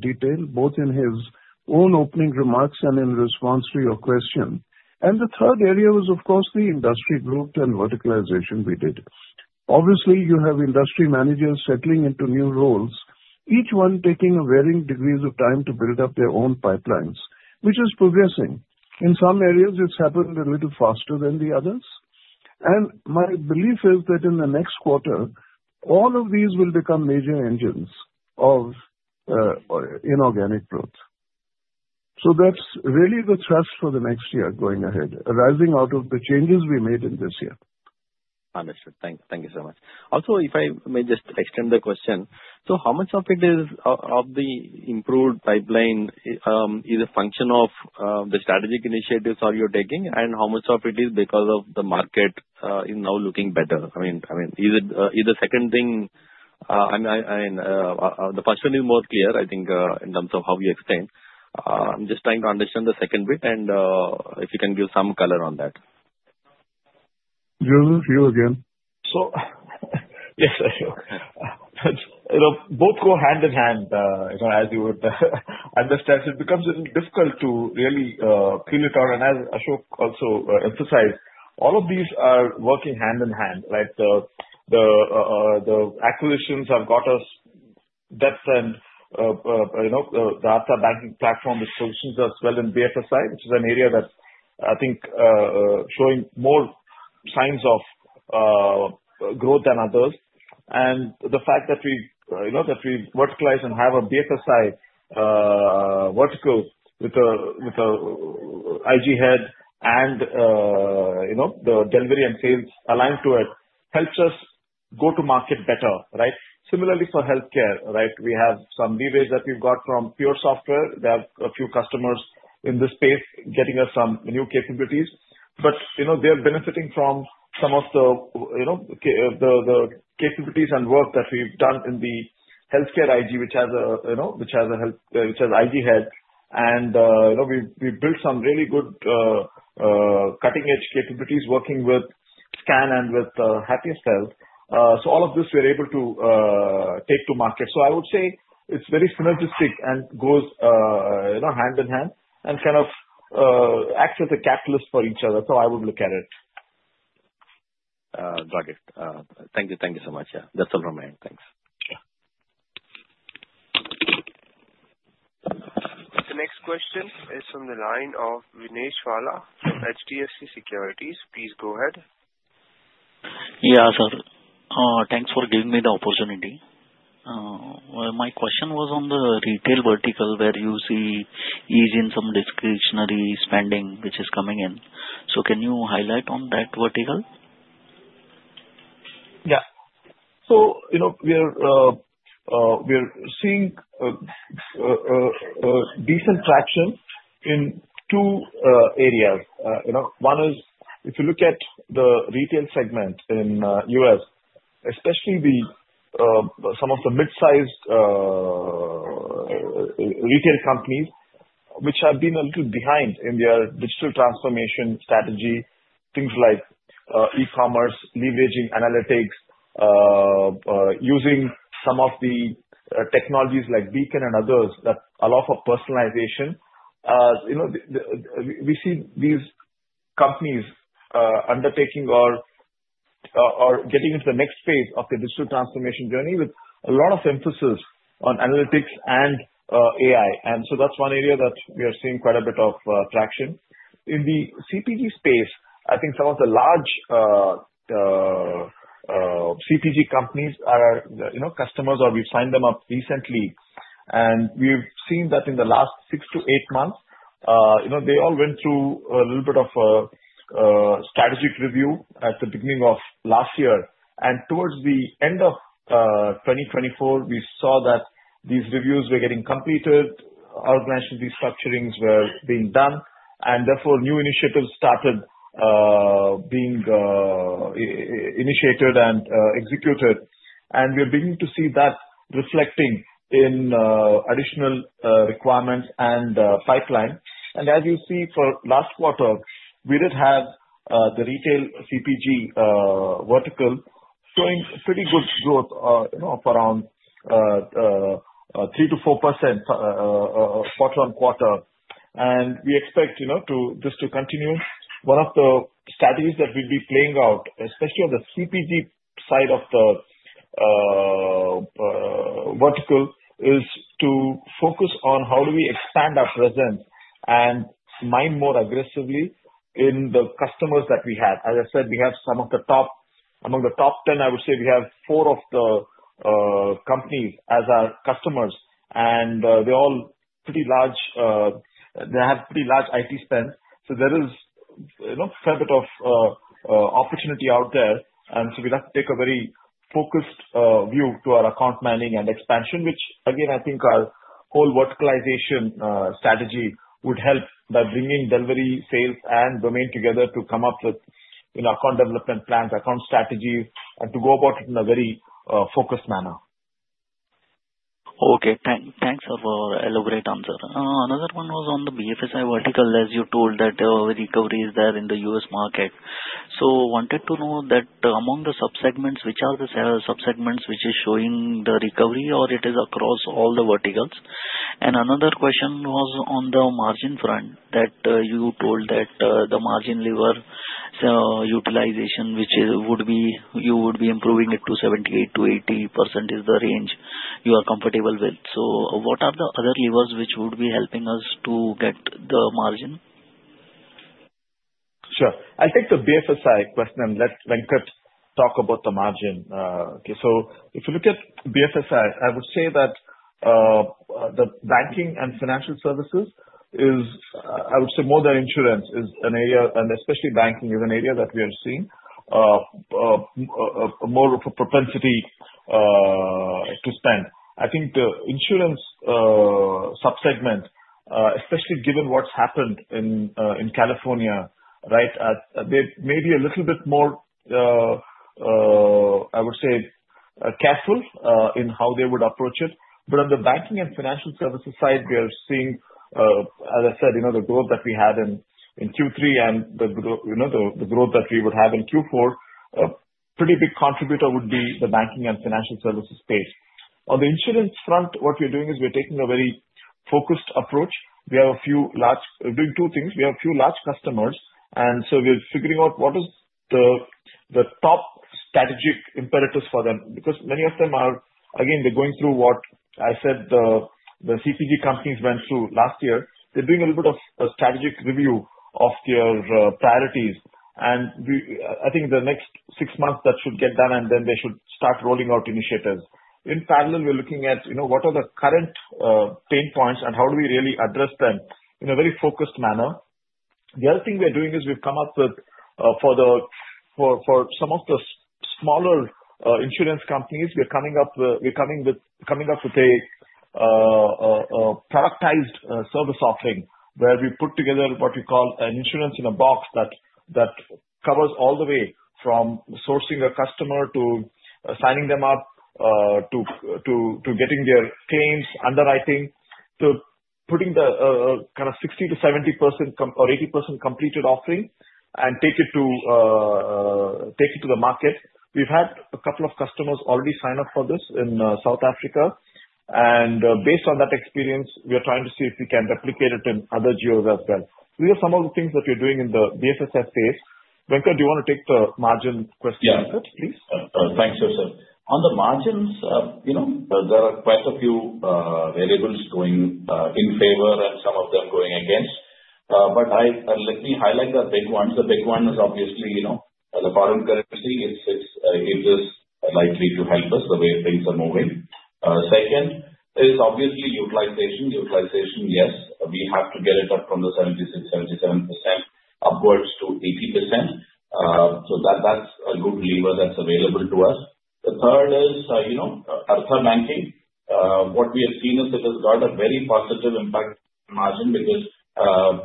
detail, both in his own opening remarks and in response to your question, and the third area was, of course, the industry group and verticalization we did. Obviously, you have industry managers settling into new roles, each one taking varying degrees of time to build up their own pipelines, which is progressing. In some areas, it's happened a little faster than the others, and my belief is that in the next quarter, all of these will become major engines of inorganic growth. So that's really the thrust for the next year going ahead, arising out of the changes we made in this year. Understood. Thank you so much. Also, if I may just extend the question, so how much of it is of the improved pipeline? Is it a function of the strategic initiatives you're taking, and how much of it is because of the market now looking better? I mean, is the second thing, I mean, the first one is more clear, I think, in terms of how we explain. I'm just trying to understand the second bit, and if you can give some color on that. Joseph, you again. So yes, I know. Both go hand in hand, as you would understand. So it becomes difficult to really pin it out. And as Ashok also emphasized, all of these are working hand in hand. The acquisitions have got us depth, and the Arttha Banking platform, the solutions that's well in BFSI, which is an area that's, I think, showing more signs of growth than others. And the fact that we verticalize and have a BFSI vertical with an IG head and the delivery and sales aligned to it helps us go to market better, right? Similarly, for healthcare, right? We have some leverage that we've got from PureSoftware. There are a few customers in this space getting us some new capabilities, but they're benefiting from some of the capabilities and work that we've done in the healthcare IG, which has an IG head. And we built some really good cutting-edge capabilities working with SCAN and with Happiest Health. So all of this, we're able to take to market. So I would say it's very synergistic and goes hand in hand and kind of acts as a catalyst for each other. That's how I would look at it. Got it. Thank you. Thank you so much. Yeah. That's all from my end. Thanks. The next question is from the line of Vinesh Vala, HDFC Securities. Please go ahead. Yeah, sir. Thanks for giving me the opportunity. My question was on the retail vertical where you see ease in some discretionary spending which is coming in. So can you highlight on that vertical? Yeah, so we're seeing decent traction in two areas. One is if you look at the retail segment in the U.S., especially some of the mid-sized retail companies, which have been a little behind in their digital transformation strategy, things like e-commerce, leveraging analytics, using some of the technologies like beacon and others that allow for personalization. We see these companies undertaking or getting into the next phase of their digital transformation journey with a lot of emphasis on analytics and AI, and so that's one area that we are seeing quite a bit of traction. In the CPG space, I think some of the large CPG companies are customers, or we've signed them up recently, and we've seen that in the last six to eight months, they all went through a little bit of a strategic review at the beginning of last year. And towards the end of 2024, we saw that these reviews were getting completed, organizational restructurings were being done, and therefore, new initiatives started being initiated and executed. And we're beginning to see that reflecting in additional requirements and pipeline. And as you see, for last quarter, we did have the retail CPG vertical showing pretty good growth of around 3% to 4% quarter on quarter. And we expect this to continue. One of the strategies that we'll be playing out, especially on the CPG side of the vertical, is to focus on how do we expand our presence and mine more aggressively in the customers that we have. As I said, we have some of the top, among the top 10, I would say we have four of the companies as our customers, and they're all pretty large. They have pretty large IT spend. There is quite a bit of opportunity out there. We'd like to take a very focused view to our account mining and expansion, which, again, I think our whole verticalization strategy would help by bringing delivery, sales, and domain together to come up with account development plans, account strategies, and to go about it in a very focused manner. Okay. Thanks for an elaborate answer. Another one was on the BFSI vertical, as you told that the recovery is there in the U.S. market. So I wanted to know that among the subsegments, which are the subsegments which are showing the recovery, or is it across all the verticals? And another question was on the margin front that you told that the margin lever utilization, which you would be improving it to 78% to 80% is the range you are comfortable with. So what are the other levers which would be helping us to get the margin? Sure. I'll take the BFSI question, and let Venkat talk about the margin. Okay. So if you look at BFSI, I would say that the banking and financial services is, I would say, more than insurance is an area, and especially banking is an area that we are seeing more of a propensity to spend. I think the insurance subsegment, especially given what's happened in California, right, they may be a little bit more, I would say, careful in how they would approach it. But on the banking and financial services side, we are seeing, as I said, the growth that we had in Q3 and the growth that we would have in Q4, a pretty big contributor would be the banking and financial services space. On the insurance front, what we're doing is we're taking a very focused approach. We have a few large, we're doing two things. We have a few large customers, and so we're figuring out what is the top strategic imperatives for them because many of them are, again, they're going through what I said the CPG companies went through last year. They're doing a little bit of a strategic review of their priorities, and I think the next six months that should get done, and then they should start rolling out initiatives. In parallel, we're looking at what are the current pain points and how do we really address them in a very focused manner. The other thing we're doing is we've come up with, for some of the smaller insurance companies, we're coming up with a productized service offering where we put together what we call an Insurance in a Box that covers all the way from sourcing a customer to signing them up to getting their claims, underwriting, to putting the kind of 60% to 70% or 80% completed offering and take it to the market. We've had a couple of customers already sign up for this in South Africa, and based on that experience, we are trying to see if we can replicate it in other geos as well. These are some of the things that we're doing in the BFSI space. Venkat, do you want to take the margin question? Yeah. Please. Thanks, Joseph. On the margins, there are quite a few variables going in favor and some of them going against, but let me highlight the big ones. The big one is obviously the foreign currency. It is likely to help us the way things are moving. Second is obviously utilization. Utilization, yes, we have to get it up from the 76% to 77% upwards to 80%. So that's a good lever that's available to us. The third is Arttha Banking. What we have seen is it has got a very positive impact on margin because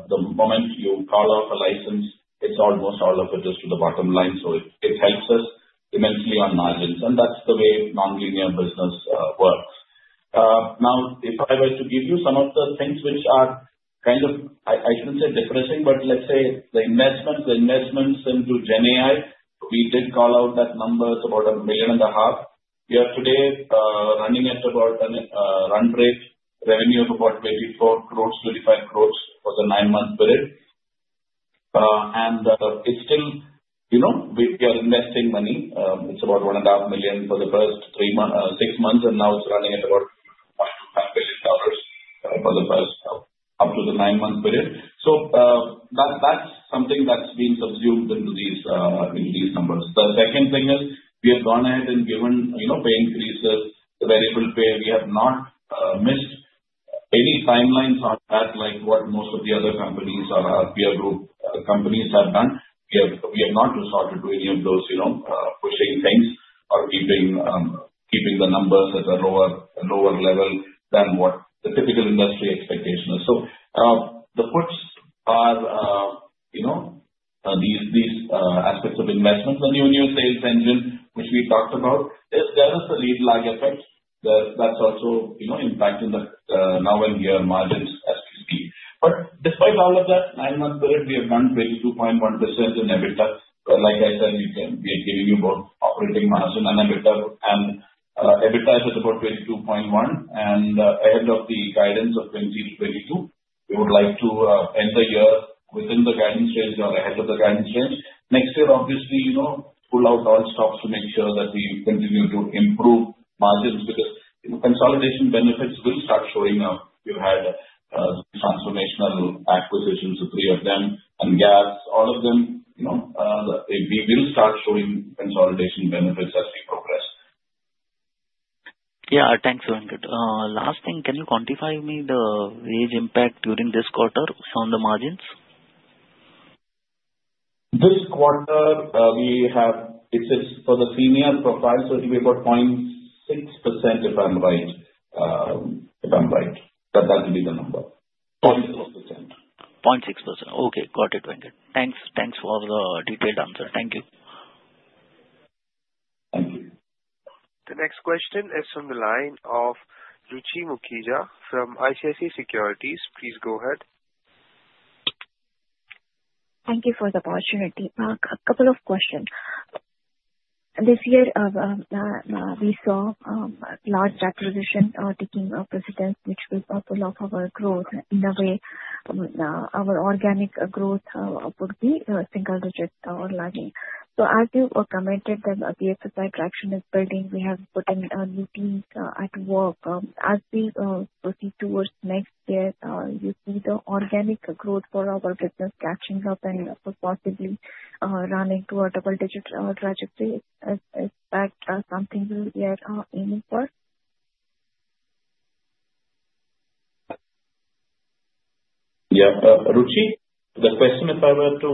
the moment you call off a license, it's almost all of it is to the bottom line. So it helps us immensely on margins, and that's the way non-linear business works. Now, if I were to give you some of the things which are kind of, I shouldn't say depressing, but let's say the investments into GenAI, we did call out that number, it's about $1.5 million. We are today running at about a run rate revenue of about 24 crores-25 crores for the nine-month period. And it's still, we are investing money. It's about $1.5 million for the first six months, and now it's running at about $1.5 million for the first up to the nine-month period. So that's something that's being subsumed into these numbers. The second thing is we have gone ahead and given pay increases, the variable pay. We have not missed any timelines on that, like what most of the other companies or our peer group companies have done. We have not resorted to any of those pushing things or keeping the numbers at a lower level than what the typical industry expectation is. So the puts are these aspects of investments, the new sales engine, which we talked about. There is a lead lag effect that's also impacting the now in-year margins as we speak. But despite all of that, nine-month period, we have done 22.1% in EBITDA. Like I said, we are giving you both operating margin and EBITDA, and EBITDA is at about 22.1%. We are ahead of the guidance of 20-22, and we would like to end the year within the guidance range or ahead of the guidance range. Next year, obviously, pull out all stops to make sure that we continue to improve margins because consolidation benefits will start showing up. We've had transformational acquisitions, three of them, and PureSoftware, all of them. We will start showing consolidation benefits as we progress. Yeah. Thanks, Venkat. Last thing, can you quantify me the wage impact during this quarter on the margins? This quarter, we have. It is for the senior profile, so it will be about 0.6% if I'm right, if I'm right. That will be the number. 0.6%. Okay. Got it, Venkat. Thanks. Thanks for the detailed answer. Thank you. Thank you. The next question is from the line of Ruchi Mukhija from ICICI Securities. Please go ahead. Thank you for the opportunity. A couple of questions. This year, we saw large acquisitions taking precedence, which will pull off our growth in a way our organic growth would be single-digit or lagging. So as you commented, the BFSI traction is building. We have put in new teams at work. As we proceed towards next year, you see the organic growth for our business catching up and possibly running to a double-digit trajectory. Is that something you are aiming for? Yeah. Ruchi, the question, if I were to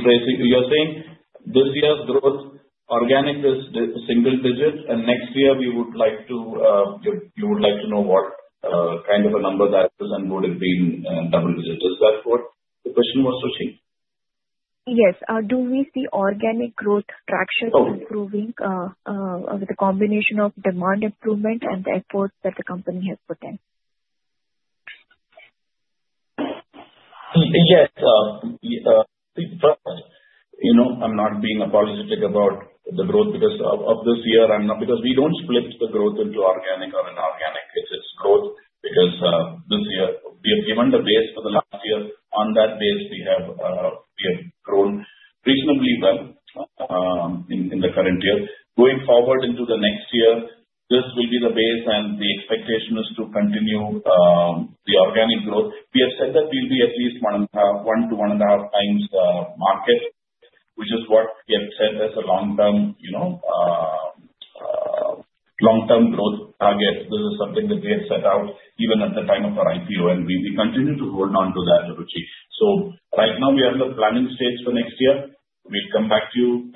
phrase it, you are saying this year's organic growth is single-digit, and next year we would like to—you would like to know what kind of a number that is and would it be double-digit? Is that what the question was, Ruchi? Yes. Do we see organic growth traction improving with a combination of demand improvement and the efforts that the company has put in? Yes. First, I'm not being apologetic about the growth because of this year, I'm not, because we don't split the growth into organic or inorganic. It's growth because this year we have given the base for the last year. On that base, we have grown reasonably well in the current year. Going forward into the next year, this will be the base, and the expectation is to continue the organic growth. We have said that we'll be at least one to one and a half times the market, which is what we have set as a long-term growth target. This is something that we have set out even at the time of our IPO, and we continue to hold on to that, Ruchi. So right now, we are in the planning stage for next year. We'll come back to you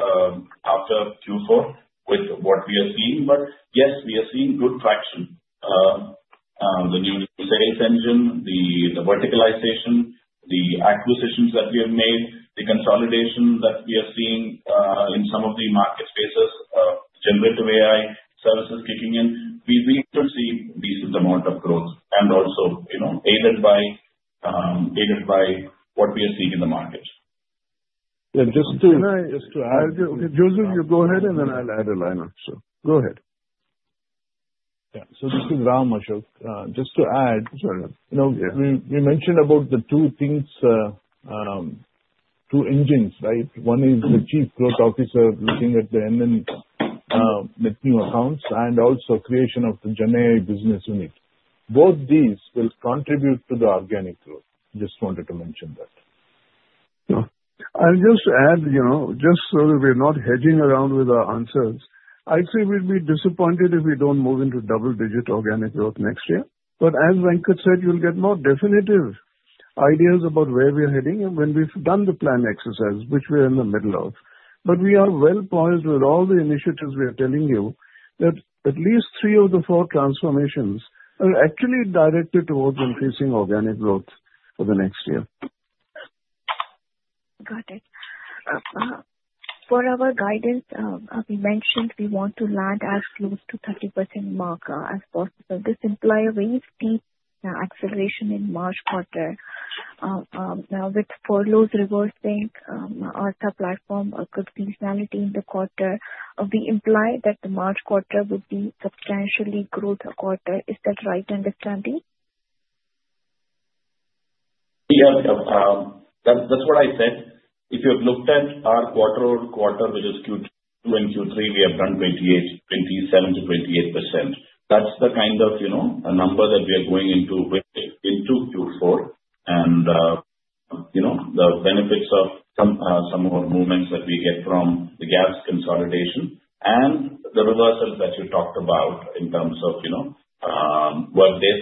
after Q4 with what we are seeing. But yes, we are seeing good traction. The new sales engine, the verticalization, the acquisitions that we have made, the consolidation that we are seeing in some of the market spaces, generative AI services kicking in, we should see a decent amount of growth and also aided by what we are seeing in the market. Yeah. Just to add, Joseph, you go ahead, and then I'll add a line or two. Go ahead. Yeah. So this is our message. Just to add, we mentioned about the two things, two engines, right? One is the Chief Growth Officer looking at the net new accounts and also creation of the GenAI business unit. Both these will contribute to the organic growth. Just wanted to mention that. I'll just add, just so that we're not hedging around with our answers, I'd say we'd be disappointed if we don't move into double-digit organic growth next year. But as Venkat said, you'll get more definitive ideas about where we are heading when we've done the plan exercise, which we are in the middle of. But we are well-poised with all the initiatives we are telling you that at least three of the four transformations are actually directed towards increasing organic growth for the next year. Got it. For our guidance, we mentioned we want to land as close to 30% mark as possible. This implies a very steep acceleration in March quarter with furloughs reversing, Arttha platform, a good seasonality in the quarter. We imply that the March quarter would be substantially growth quarter. Is that right understanding? Yes. That's what I said. If you have looked at our quarter-over-quarter, which is Q2 and Q3, we have done 27% to 28%. That's the kind of number that we are going into Q4 and the benefits of some of our movements that we get from the GBS consolidation and the reversals that you talked about in terms of what they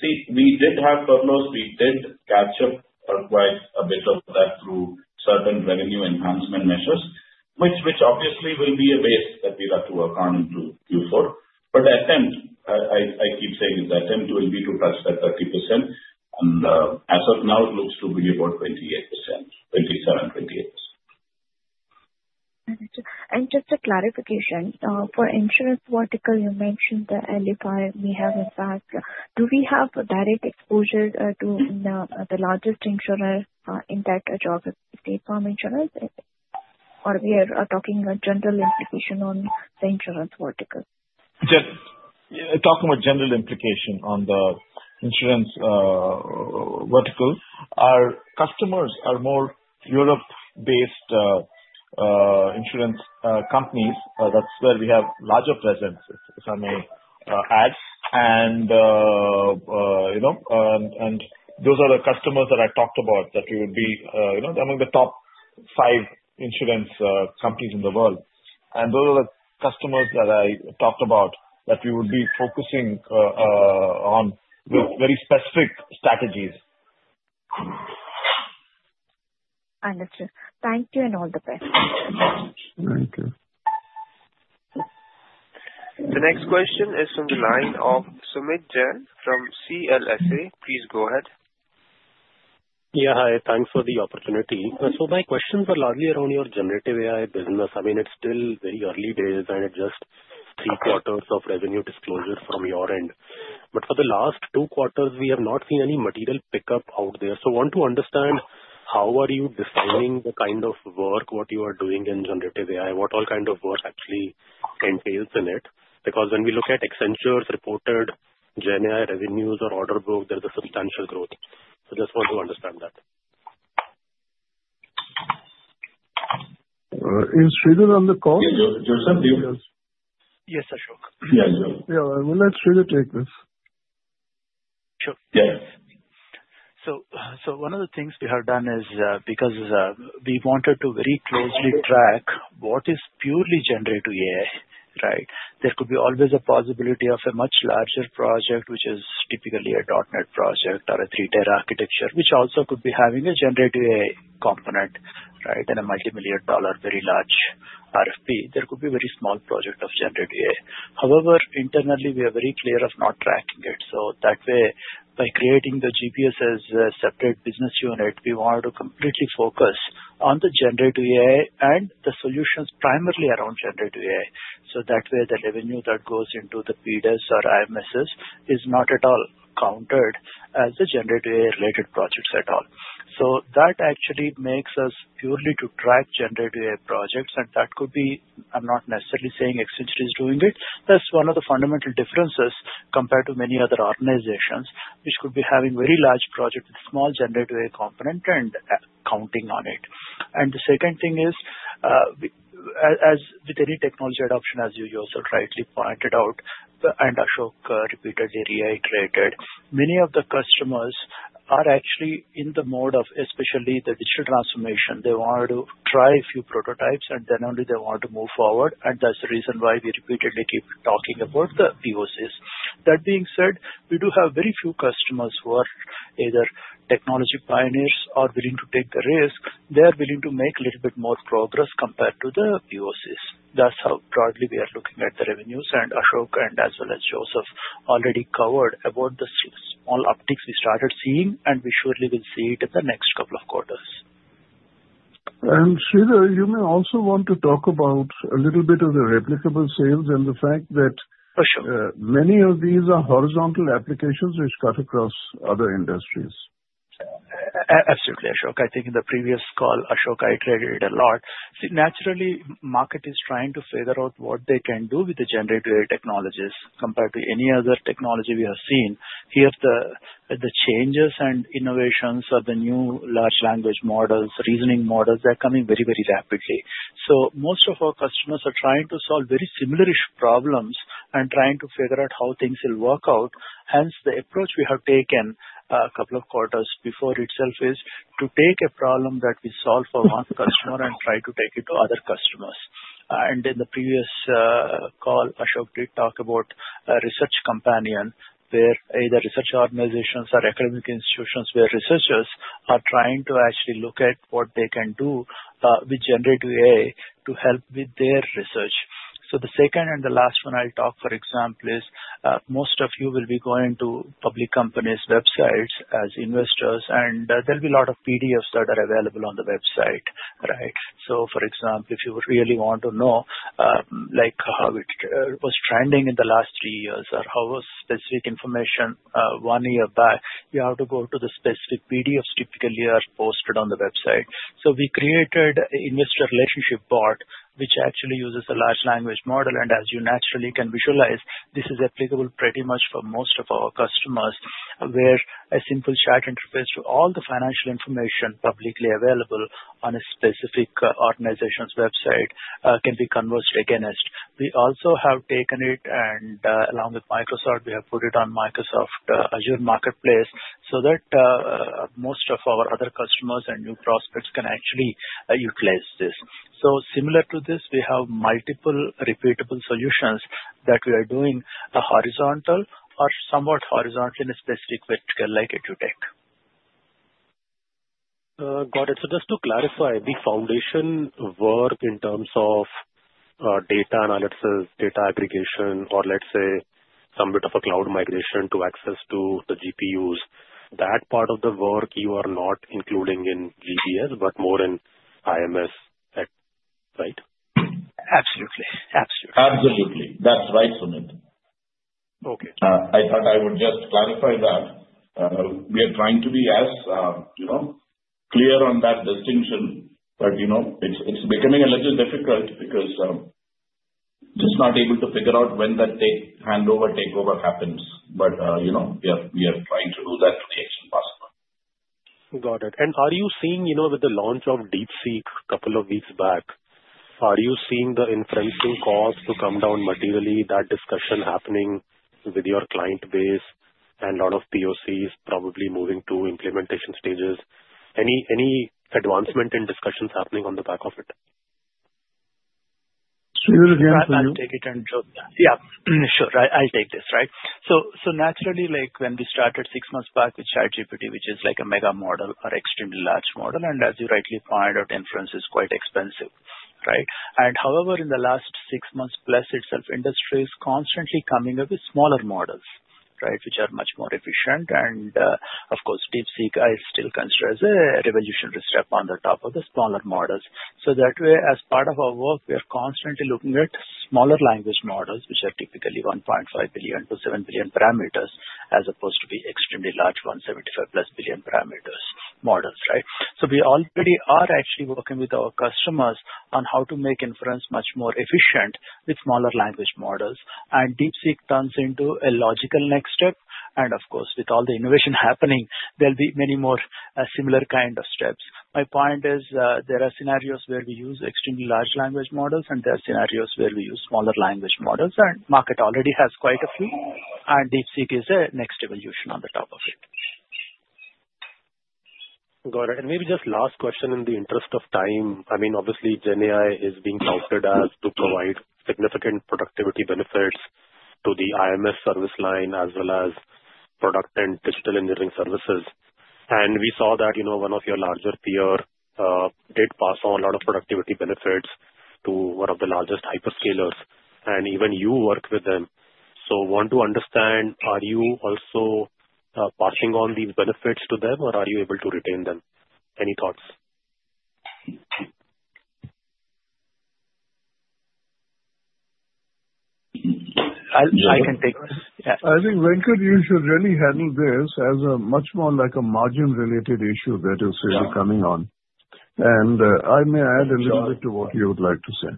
see, we did have furloughs. We did catch up quite a bit of that through certain revenue enhancement measures, which obviously will be a base that we have to work on into Q4. But the attempt, I keep saying, the attempt will be to touch that 30%. And as of now, it looks to be about 27% to 28%. Just a clarification, for insurance vertical, you mentioned the L&P we have in fact. Do we have direct exposure to the largest insurer in that geography, State Farm Insurance? Or we are talking general implication on the insurance vertical? Just talking about general implication on the insurance vertical, our customers are more Europe-based insurance companies. That's where we have larger presence, if I may add, and those are the customers that I talked about that we would be among the top five insurance companies in the world, and those are the customers that I talked about that we would be focusing on with very specific strategies. Understood. Thank you and all the best. Thank you. The next question is from the line of Sumeet Jain from CLSA. Please go ahead. Yeah. Hi. Thanks for the opportunity. So my questions are largely around your generative AI business. I mean, it's still very early days, and it's just three quarters of revenue disclosure from your end. But for the last two quarters, we have not seen any material pickup out there. So I want to understand how are you defining the kind of work, what you are doing in generative AI, what all kind of work actually entails in it? Because when we look at Accenture's reported GenAI revenues or order book, there's a substantial growth. So I just want to understand that. Is Sridhar on the call? Yes, Joseph. Yes, Ashok. Yeah. Sure. Yeah. Let Sridhar take this. Sure. Yeah. So one of the things we have done is, because we wanted to very closely track what is purely generative AI, right? There could always be a possibility of a much larger project, which is typically a .NET project or a three-tier architecture, which also could be having a generative AI component, right, and a multi-million dollar, very large RFP. There could be a very small project of generative AI. However, internally, we are very clear of not tracking it. So that way, by creating the GBS as a separate business unit, we wanted to completely focus on the generative AI and the solutions primarily around generative AI. So that way, the revenue that goes into the PDES or IMSS is not at all counted as the generative AI-related projects at all. So that actually makes us purely to track generative AI projects, and that could be. I'm not necessarily saying Accenture is doing it. That's one of the fundamental differences compared to many other organizations, which could be having very large projects with small generative AI component and counting on it. And the second thing is, with any technology adoption, as you also rightly pointed out, and Ashok repeatedly reiterated, many of the customers are actually in the mode of, especially the digital transformation. They wanted to try a few prototypes, and then only they want to move forward. And that's the reason why we repeatedly keep talking about the POCs. That being said, we do have very few customers who are either technology pioneers or willing to take the risk. They are willing to make a little bit more progress compared to the POCs. That's how broadly we are looking at the revenues, and Ashok and as well as Joseph already covered about the small upticks we started seeing, and we surely will see it in the next couple of quarters. Sridhar, you may also want to talk about a little bit of the replicable sales and the fact that many of these are horizontal applications which cut across other industries. Absolutely, Ashok. I think in the previous call, Ashok, I iterated a lot. See, naturally, the market is trying to figure out what they can do with the generative AI technologies compared to any other technology we have seen. Here, the changes and innovations of the new large language models, reasoning models, they're coming very, very rapidly. So most of our customers are trying to solve very similar-ish problems and trying to figure out how things will work out. Hence, the approach we have taken a couple of quarters before itself is to take a problem that we solve for one customer and try to take it to other customers, and in the previous call, Ashok did talk about a research companion where either research organizations or academic institutions where researchers are trying to actually look at what they can do with generative AI to help with their research. So, the second and the last one I'll talk, for example, is most of you will be going to public companies' websites as investors, and there'll be a lot of PDFs that are available on the website, right? So, for example, if you really want to know how it was trending in the last three years or how was specific information one year back, you have to go to the specific PDFs typically are posted on the website. So, we created an investor relationship bot, which actually uses a large language model. And as you naturally can visualize, this is applicable pretty much for most of our customers where a simple chat interface to all the financial information publicly available on a specific organization's website can be conversed against. We also have taken it, and along with Microsoft, we have put it on Microsoft Azure Marketplace so that most of our other customers and new prospects can actually utilize this. So similar to this, we have multiple repeatable solutions that we are doing horizontal or somewhat horizontally in a specific vertical like it you take. Got it. So just to clarify, the foundation work in terms of data analysis, data aggregation, or let's say some bit of a cloud migration to access the GPUs, that part of the work you are not including in GBS, but more in IMSS, right? Absolutely. Absolutely. Absolutely. That's right, Sumeet. Okay. I thought I would just clarify that. We are trying to be as clear on that distinction, but it's becoming a little difficult because just not able to figure out when that handover-takeover happens. But we are trying to do that to the extent possible. Got it. And are you seeing with the launch of DeepSeek a couple of weeks back, are you seeing the inferencing cost to come down materially, that discussion happening with your client base and a lot of POCs probably moving to implementation stages? Any advancement in discussions happening on the back of it? Sridhar, again, for you. Yeah. Sure. I'll take this, right? So naturally, when we started six months back with ChatGPT, which is like a mega model or extremely large model, and as you rightly point out, inference is quite expensive, right? And however, in the last six months plus, itself, industry is constantly coming up with smaller models, right, which are much more efficient. And of course, DeepSeek is still considered as a revolutionary step on the top of the smaller models. So that way, as part of our work, we are constantly looking at smaller language models, which are typically 1.5 billion-7 billion parameters as opposed to the extremely large 175-plus billion parameters models, right? So we already are actually working with our customers on how to make inference much more efficient with smaller language models. And DeepSeek turns into a logical next step. And of course, with all the innovation happening, there'll be many more similar kind of steps. My point is there are scenarios where we use extremely large language models, and there are scenarios where we use smaller language models. And the market already has quite a few, and DeepSeek is a next evolution on the top of it. Got it. And maybe just last question in the interest of time. I mean, obviously, GenAI is being touted as to provide significant productivity benefits to the IMS service line as well as product and digital engineering services. And we saw that one of your larger peers did pass on a lot of productivity benefits to one of the largest hyperscalers. And even you work with them. So I want to understand, are you also passing on these benefits to them, or are you able to retain them? Any thoughts? I can take this. I think Venkat, you should really handle this as much more like a margin-related issue that is really coming on, and I may add a little bit to what you would like to say.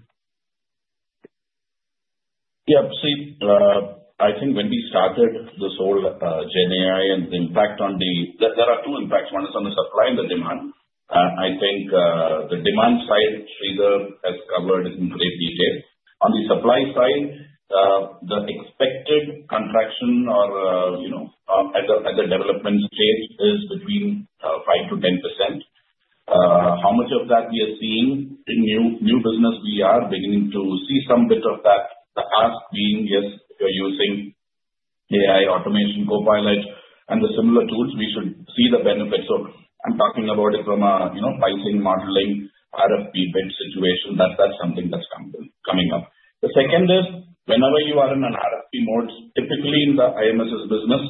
Yeah. See, I think when we started this whole GenAI and the impact on the, there are two impacts. One is on the supply and the demand. I think the demand side, Sridhar, has covered in great detail. On the supply side, the expected contraction or at the development stage is between 5% to 10%. How much of that we are seeing in new business, we are beginning to see some bit of that, the ask being, yes, if you're using AI automation, Copilot, and the similar tools, we should see the benefits. So I'm talking about it from a pricing, modeling, RFP-based situation. That's something that's coming up. The second is whenever you are in an RFP mode, typically in the IMSS business,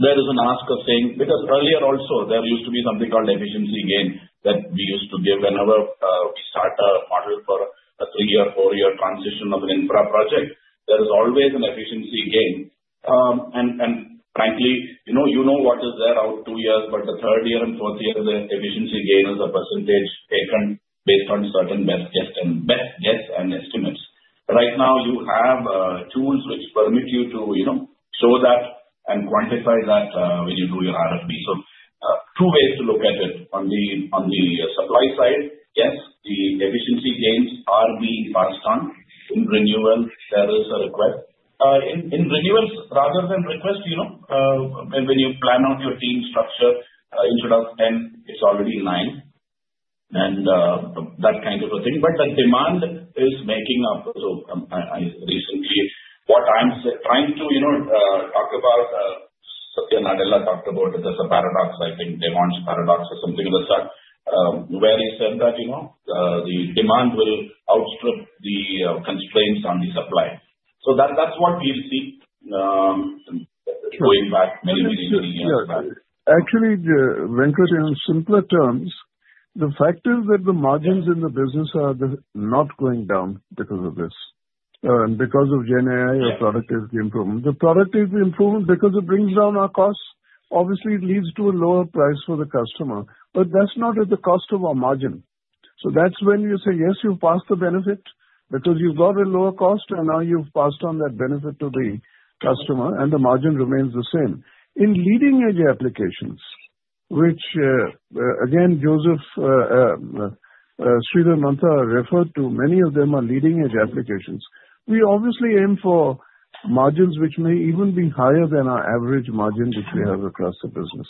there is an ask of saying because earlier also, there used to be something called efficiency gain that we used to give whenever we start a model for a three year, four year transition of an infra project. There is always an efficiency gain, and frankly, you know what is there out two years, but the third year and fourth year, the efficiency gain is a percentage taken based on certain best guess and estimates. Right now, you have tools which permit you to show that and quantify that when you do your RFP, so two ways to look at it. On the supply side, yes, the efficiency gains are being passed on. In renewal, there is a request. In renewals, rather than request, when you plan out your team structure, instead of 10, it's already 9. And that kind of a thing. But the demand is making up. So recently, what I'm trying to talk about, Satya Nadella talked about, there's a paradox, I think, Jevons Paradox or something of the sort, where he said that the demand will outstrip the constraints on the supply. So that's what we'll see going back many, many, many years back. Actually, Venkat, in simpler terms, the fact is that the margins in the business are not going down because of this, and because of GenAI, the product is the improvement. The product is the improvement because it brings down our costs. Obviously, it leads to a lower price for the customer, but that's not at the cost of our margin. So that's when you say, yes, you've passed the benefit because you've got a lower cost, and now you've passed on that benefit to the customer, and the margin remains the same. In leading-edge applications, which, again, Joseph, Sridhar, and Joseph Anantharaju referred to, many of them are leading-edge applications. We obviously aim for margins which may even be higher than our average margin which we have across the business.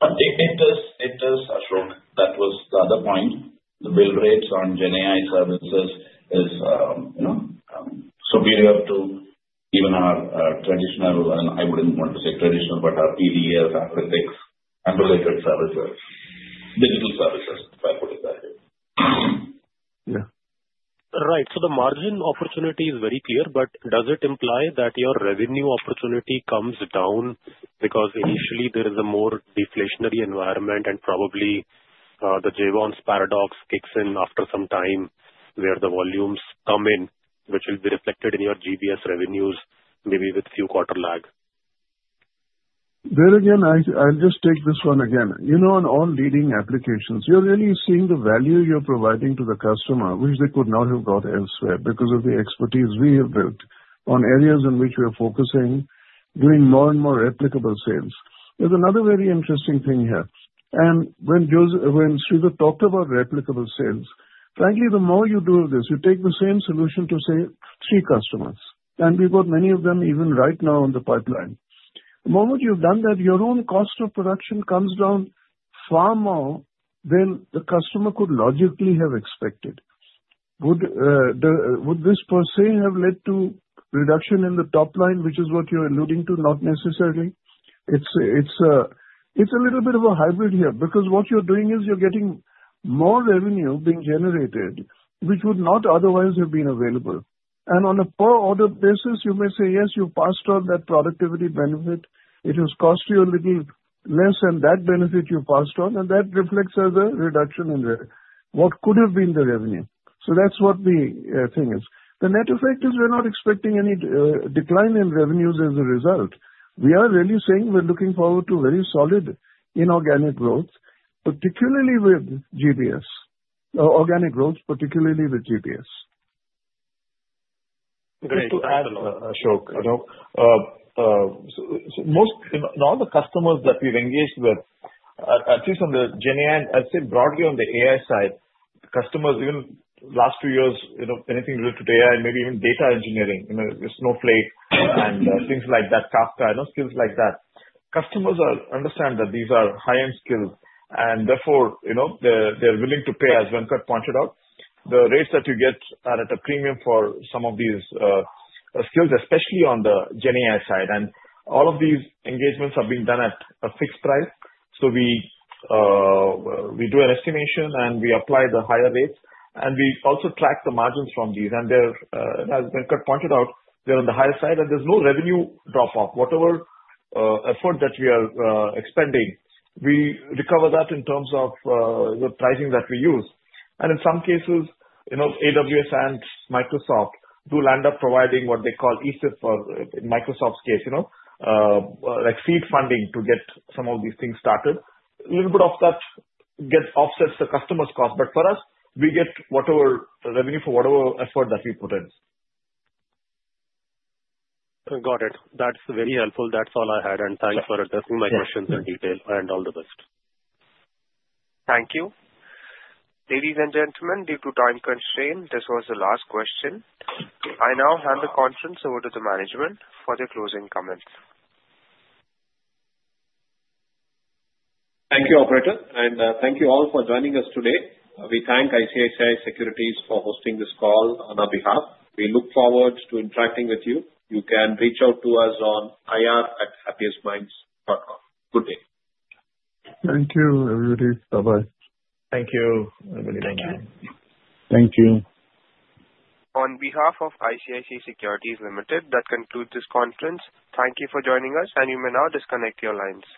It does, Ashok. That was the other point. The bill rates on GenAI services is superior to even our traditional, and I wouldn't want to say traditional, but our PDES, analytics, and related services, digital services, if I put it that way. Yeah. Right. So the margin opportunity is very clear, but does it imply that your revenue opportunity comes down because initially there is a more deflationary environment and probably the Jevons Paradox kicks in after some time where the volumes come in, which will be reflected in your GBS revenues, maybe with a few quarter lag? There again, I'll just take this one again. In all leading applications, you're really seeing the value you're providing to the customer, which they could not have got elsewhere because of the expertise we have built on areas in which we are focusing, doing more and more replicable sales. There's another very interesting thing here. And when Sridhar talked about replicable sales, frankly, the more you do this, you take the same solution to, say, three customers, and we've got many of them even right now on the pipeline. The moment you've done that, your own cost of production comes down far more than the customer could logically have expected. Would this per se have led to reduction in the top line, which is what you're alluding to, not necessarily. It's a little bit of a hybrid here because what you're doing is you're getting more revenue being generated, which would not otherwise have been available, and on a per-order basis, you may say, yes, you've passed on that productivity benefit. It has cost you a little less than that benefit you passed on, and that reflects as a reduction in what could have been the revenue, so that's what the thing is. The net effect is we're not expecting any decline in revenues as a result. We are really saying we're looking forward to very solid inorganic growth, particularly with GBS, organic growth, particularly with GBS. Just to add, Ashok, in all the customers that we've engaged with, at least on the GenAI, I'd say broadly on the AI side, customers, even last two years, anything related to AI, maybe even data engineering, Snowflake, and things like that, Kafka, skills like that, customers understand that these are high-end skills, and therefore, they're willing to pay, as Venkat pointed out. The rates that you get are at a premium for some of these skills, especially on the GenAI side, and all of these engagements have been done at a fixed price, so we do an estimation, and we apply the higher rates, and we also track the margins from these, and as Venkat pointed out, they're on the higher side, and there's no revenue drop-off. Whatever effort that we are expending, we recover that in terms of the pricing that we use. And in some cases, AWS and Microsoft do land up providing what they call ISV for Microsoft's case, like seed funding to get some of these things started. A little bit of that gets offsets the customer's cost. But for us, we get whatever revenue for whatever effort that we put in. Got it. That's very helpful. That's all I had. And thanks for addressing my questions in detail. And all the best. Thank you. Ladies and gentlemen, due to time constraint, this was the last question. I now hand the conference over to the management for their closing comments. Thank you, operator. And thank you all for joining us today. We thank ICICI Securities for hosting this call on our behalf. We look forward to interacting with you. You can reach out to us on ir@happiestminds.com. Good day. Thank you, everybody. Bye-bye. Thank you. Thank you. Thank you. On behalf of ICICI Securities Limited, that concludes this conference. Thank you for joining us, and you may now disconnect your lines.